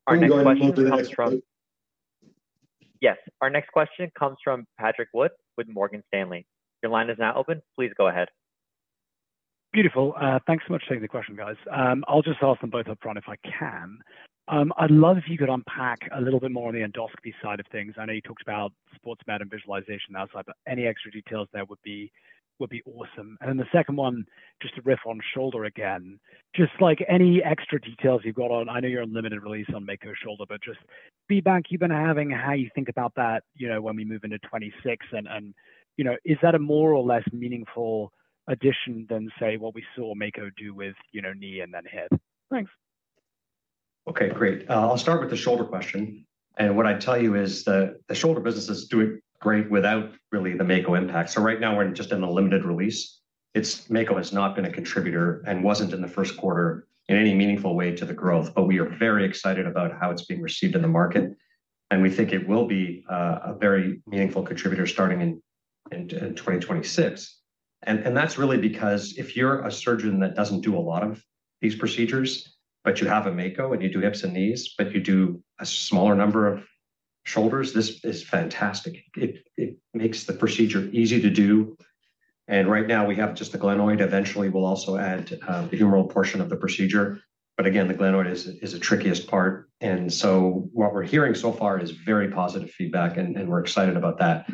Our next question comes from Patrick Wood with Morgan Stanley. Your line is now open. Please go ahead. Beautiful. Thanks so much for taking the question, guys. I'll just ask them both up front if I can. I'd love if you could unpack a little bit more on the endoscopy side of things. I know you talked about sports med and visualization outside, but any extra details there would be awesome. The second one, just a riff on shoulder again. Just like any extra details you've got on, I know you're on limited release on Mako Shoulder, but just feedback you've been having, how you think about that when we move into 2026, and is that a more or less meaningful addition than, say, what we saw Mako do with knee and then hip? Thanks. Okay, great. I'll start with the shoulder question. What I'd tell you is the shoulder business is doing great without really the Mako impact. Right now, we're just in a limited release. Mako has not been a contributor and was not in the first quarter in any meaningful way to the growth, but we are very excited about how it's being received in the market. We think it will be a very meaningful contributor starting in 2026. That is really because if you're a surgeon that does not do a lot of these procedures, but you have a Mako and you do hips and knees, but you do a smaller number of shoulders, this is fantastic. It makes the procedure easy to do. Right now, we have just the glenoid. Eventually, we'll also add the humeral portion of the procedure. The glenoid is the trickiest part. What we're hearing so far is very positive feedback, and we're excited about that.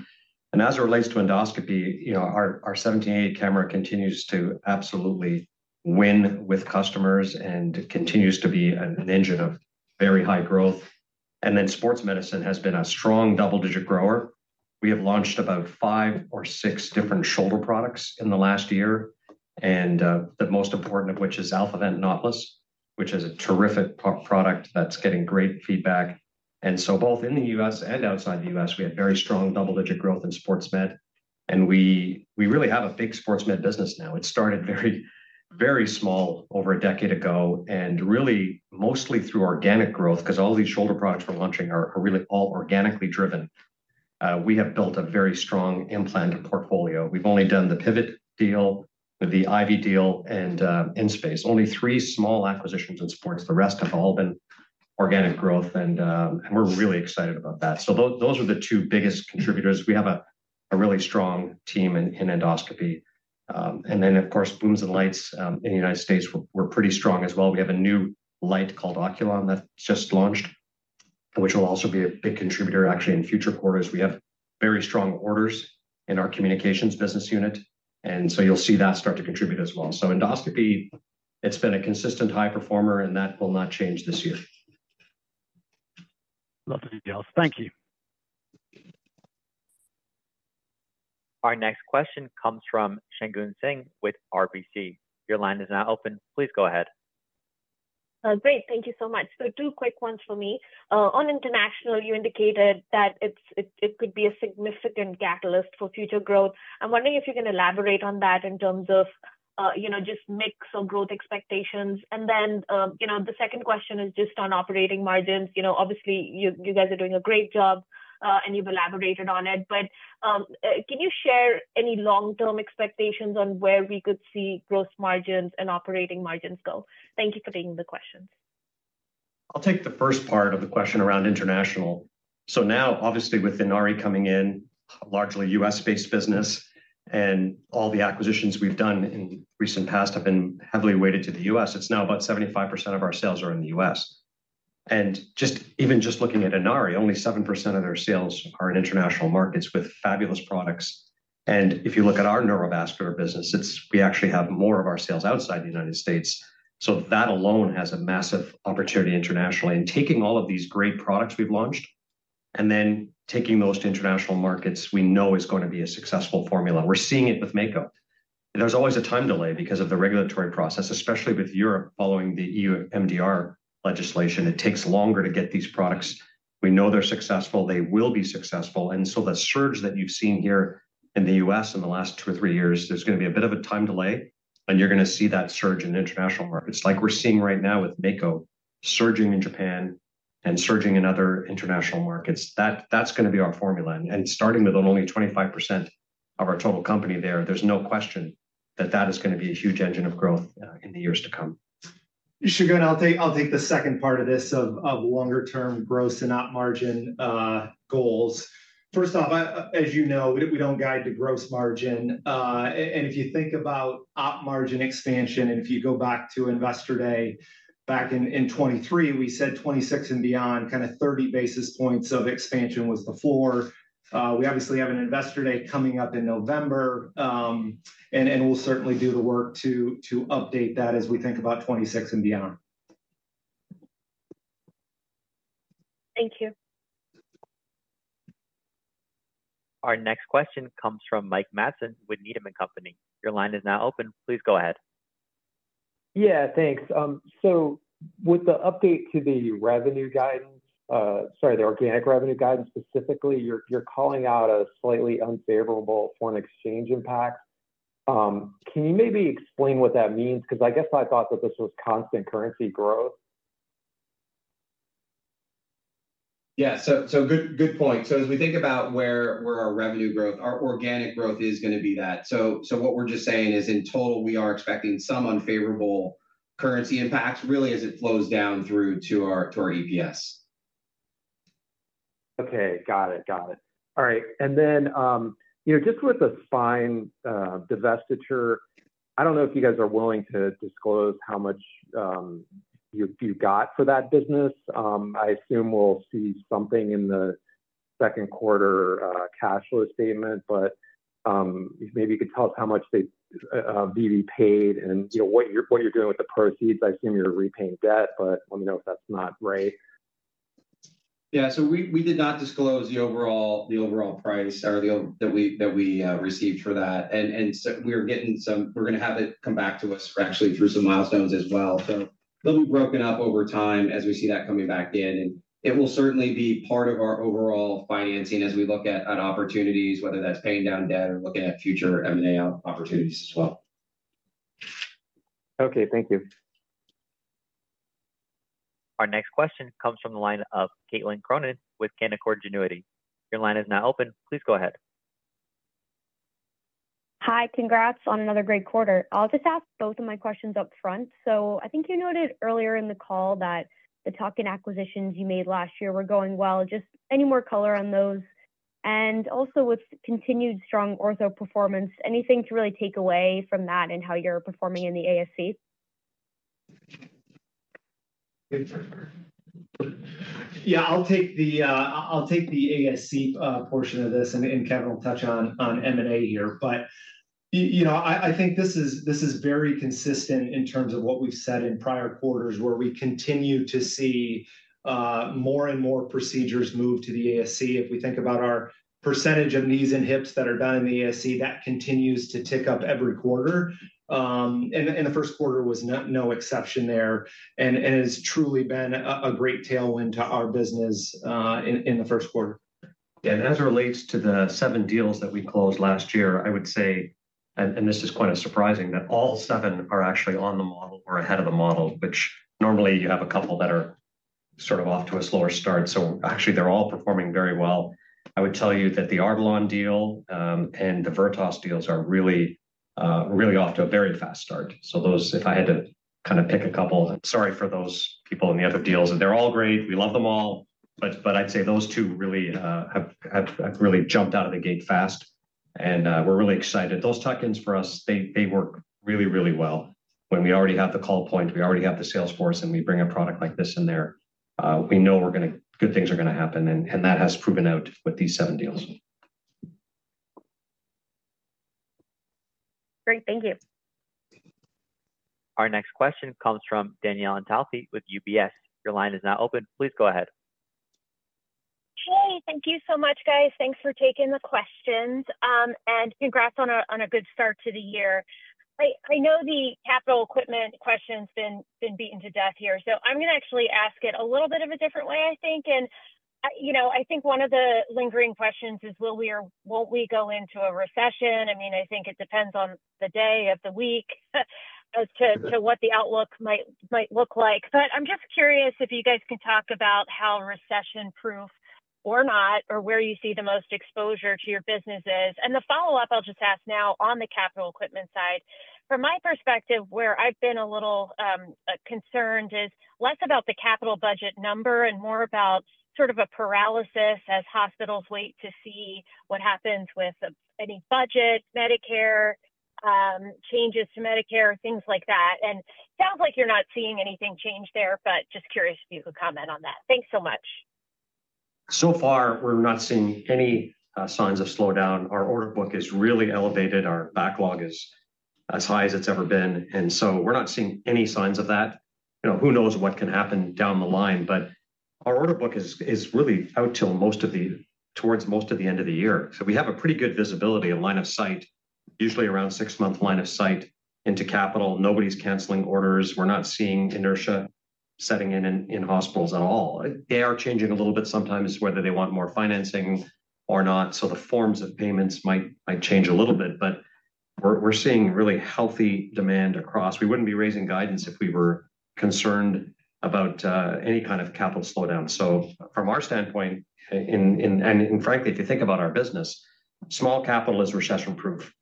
As it relates to endoscopy, our 1780 camera continues to absolutely win with customers and continues to be an engine of very high growth. Sports medicine has been a strong double-digit grower. We have launched about five or six different shoulder products in the last year, and the most important of which is AlphaVent Knotless, which is a terrific product that's getting great feedback. Both in the U.S. and outside the U.S., we had very strong double-digit growth in sports med. We really have a big sports med business now. It started very, very small over a decade ago and really mostly through organic growth because all these shoulder products we're launching are really all organically driven. We have built a very strong implant portfolio. We've only done the Pivot deal, the Ivy deal, and InSpace. Only three small acquisitions in sports. The rest have all been organic growth, and we're really excited about that. Those are the two biggest contributors. We have a really strong team in endoscopy. Of course, booms and lights in the U.S. were pretty strong as well. We have a new light called Qulan that just launched, which will also be a big contributor, actually, in future quarters. We have very strong orders in our communications business unit. You'll see that start to contribute as well. Endoscopy has been a consistent high performer, and that will not change this year. Love to hear yours. Thank you. Our next question comes from Shagun Singh with RBC. Your line is now open. Please go ahead. Great. Thank you so much. Two quick ones for me. On international, you indicated that it could be a significant catalyst for future growth. I'm wondering if you can elaborate on that in terms of just mix or growth expectations. The second question is just on operating margins. Obviously, you guys are doing a great job, and you've elaborated on it. Can you share any long-term expectations on where we could see gross margins and operating margins go? Thank you for taking the questions. I'll take the first part of the question around international. Now, obviously, with Inari coming in, largely U.S.-based business, and all the acquisitions we've done in the recent past have been heavily weighted to the U.S. It's now about 75% of our sales are in the U.S. Even just looking at Inari, only 7% of their sales are in international markets with fabulous products. If you look at our neurovascular business, we actually have more of our sales outside the United States. That alone has a massive opportunity internationally. Taking all of these great products we've launched and then taking those to international markets, we know is going to be a successful formula. We're seeing it with Mako. There's always a time delay because of the regulatory process, especially with Europe following the EU MDR legislation. It takes longer to get these products. We know they're successful. They will be successful. The surge that you've seen here in the U.S. in the last two or three years, there's going to be a bit of a time delay, and you're going to see that surge in international markets. Like we're seeing right now with Mako surging in Japan and surging in other international markets. That's going to be our formula. Starting with only 25% of our total company there, there's no question that that is going to be a huge engine of growth in the years to come. Shagun, I'll take the second part of this of longer-term gross and op margin goals. First off, as you know, we don't guide the gross margin. And if you think about op margin expansion, and if you go back to investor day, back in 2023, we said 2026 and beyond, kind of 30 basis points of expansion was the floor. We obviously have an investor day coming up in November, and we'll certainly do the work to update that as we think about 2026 and beyond. Thank you. Our next question comes from Mike Matson with Needham & Company. Your line is now open. Please go ahead. Yeah, thanks. With the update to the revenue guidance, sorry, the organic revenue guidance specifically, you're calling out a slightly unfavorable foreign exchange impact. Can you maybe explain what that means? Because I guess I thought that this was constant currency growth. Yeah, so good point. As we think about where our revenue growth, our organic growth is going to be, what we're just saying is in total, we are expecting some unfavorable currency impacts really as it flows down through to our EPS. Okay, got it. Got it. All right. With the spine divestiture, I do not know if you guys are willing to disclose how much you got for that business. I assume we will see something in the second quarter cash flow statement, but maybe you could tell us how much VV paid and what you are doing with the proceeds. I assume you are repaying debt, but let me know if that is not right. Yeah, we did not disclose the overall price that we received for that. We are going to have it come back to us actually through some milestones as well. They will be broken up over time as we see that coming back in. It will certainly be part of our overall financing as we look at opportunities, whether that's paying down debt or looking at future M&A opportunities as well. Okay, thank you. Our next question comes from the line of Caitlin Cronin with Canaccord Genuity. Your line is now open. Please go ahead. Hi, congrats on another great quarter. I'll just ask both of my questions up front. I think you noted earlier in the call that the tuck-in acquisitions you made last year were going well. Just any more color on those? Also, with continued strong ortho performance, anything to really take away from that and how you're performing in the ASC? Yeah, I'll take the ASC portion of this and Kevin will touch on M&A here. I think this is very consistent in terms of what we've said in prior quarters where we continue to see more and more procedures move to the ASC. If we think about our percentage of knees and hips that are done in the ASC, that continues to tick up every quarter. The first quarter was no exception there and has truly been a great tailwind to our business in the first quarter. Yeah, and as it relates to the seven deals that we closed last year, I would say, and this is quite surprising, that all seven are actually on the model or ahead of the model, which normally you have a couple that are sort of off to a slower start. Actually, they're all performing very well. I would tell you that the Artelon deal and the Vertos deals are really, really off to a very fast start. If I had to kind of pick a couple, sorry for those people in the other deals. They're all great. We love them all. I would say those two really have really jumped out of the gate fast. We're really excited. Those tuck-ins for us, they work really, really well. When we already have the call point, we already have the sales force, and we bring a product like this in there, we know good things are going to happen. That has proven out with these seven deals. Great. Thank you. Our next question comes from Danielle Antalffy with UBS. Your line is now open. Please go ahead. Hey, thank you so much, guys. Thanks for taking the questions. And congrats on a good start to the year. I know the capital equipment question has been beaten to death here. I'm going to actually ask it a little bit of a different way, I think. I think one of the lingering questions is, will we go into a recession? I mean, I think it depends on the day of the week as to what the outlook might look like. I'm just curious if you guys can talk about how recession-proof or not, or where you see the most exposure to your businesses. The follow-up I'll just ask now on the capital equipment side. From my perspective, where I've been a little concerned is less about the capital budget number and more about sort of a paralysis as hospitals wait to see what happens with any budget, Medicare, changes to Medicare, things like that. It sounds like you're not seeing anything change there, but just curious if you could comment on that. Thanks so much. So far, we're not seeing any signs of slowdown. Our order book is really elevated. Our backlog is as high as it's ever been. We're not seeing any signs of that. Who knows what can happen down the line? Our order book is really out towards most of the end of the year. We have pretty good visibility, a line of sight, usually around six-month line of sight into capital. Nobody's canceling orders. We're not seeing inertia setting in in hospitals at all. They are changing a little bit sometimes whether they want more financing or not. The forms of payments might change a little bit. We're seeing really healthy demand across. We wouldn't be raising guidance if we were concerned about any kind of capital slowdown. From our standpoint, and frankly, if you think about our business, small capital is recession-proof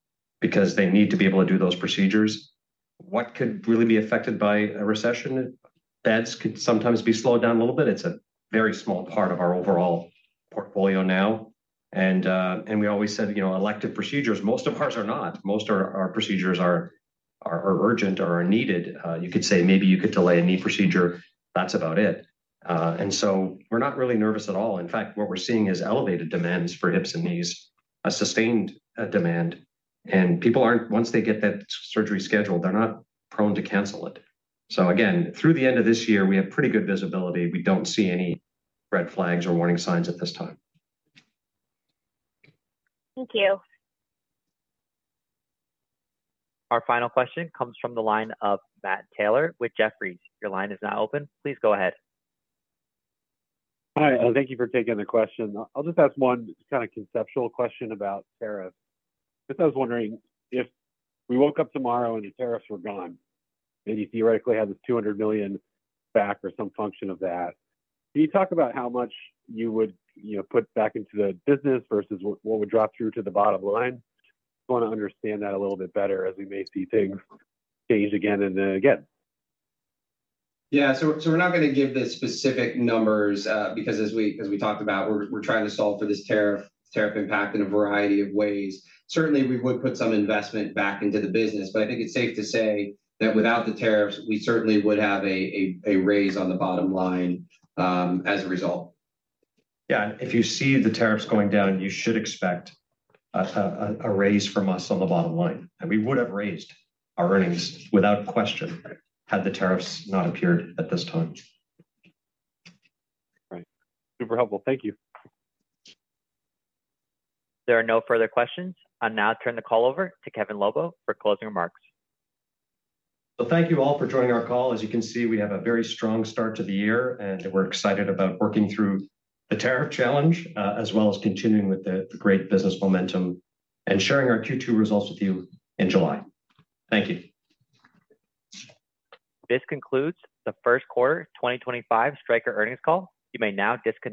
because they need to be able to do those procedures. What could really be affected by a recession? Beds could sometimes be slowed down a little bit. It's a very small part of our overall portfolio now. We always said elective procedures, most of ours are not. Most of our procedures are urgent or are needed. You could say maybe you could delay a knee procedure. That's about it. We're not really nervous at all. In fact, what we're seeing is elevated demands for hips and knees, a sustained demand. People aren't, once they get that surgery scheduled, they're not prone to cancel it. Again, through the end of this year, we have pretty good visibility. We don't see any red flags or warning signs at this time. Thank you. Our final question comes from the line of Matt Taylor with Jefferies. Your line is now open. Please go ahead. Hi. Thank you for taking the question. I'll just ask one kind of conceptual question about tariffs. I was wondering if we woke up tomorrow and the tariffs were gone, maybe theoretically have this $200 million back or some function of that. Can you talk about how much you would put back into the business versus what would drop through to the bottom line? I want to understand that a little bit better as we may see things change again and again. Yeah. We're not going to give the specific numbers because as we talked about, we're trying to solve for this tariff impact in a variety of ways. Certainly, we would put some investment back into the business. I think it's safe to say that without the tariffs, we certainly would have a raise on the bottom line as a result. Yeah. If you see the tariffs going down, you should expect a raise from us on the bottom line. We would have raised our earnings without question had the tariffs not appeared at this time. Right. Super helpful. Thank you. There are no further questions. I'll now turn the call over to Kevin Lobo for closing remarks. Thank you all for joining our call. As you can see, we have a very strong start to the year, and we're excited about working through the tariff challenge as well as continuing with the great business momentum and sharing our Q2 results with you in July. Thank you. This concludes the first quarter 2025 Stryker earnings call. You may now disconnect.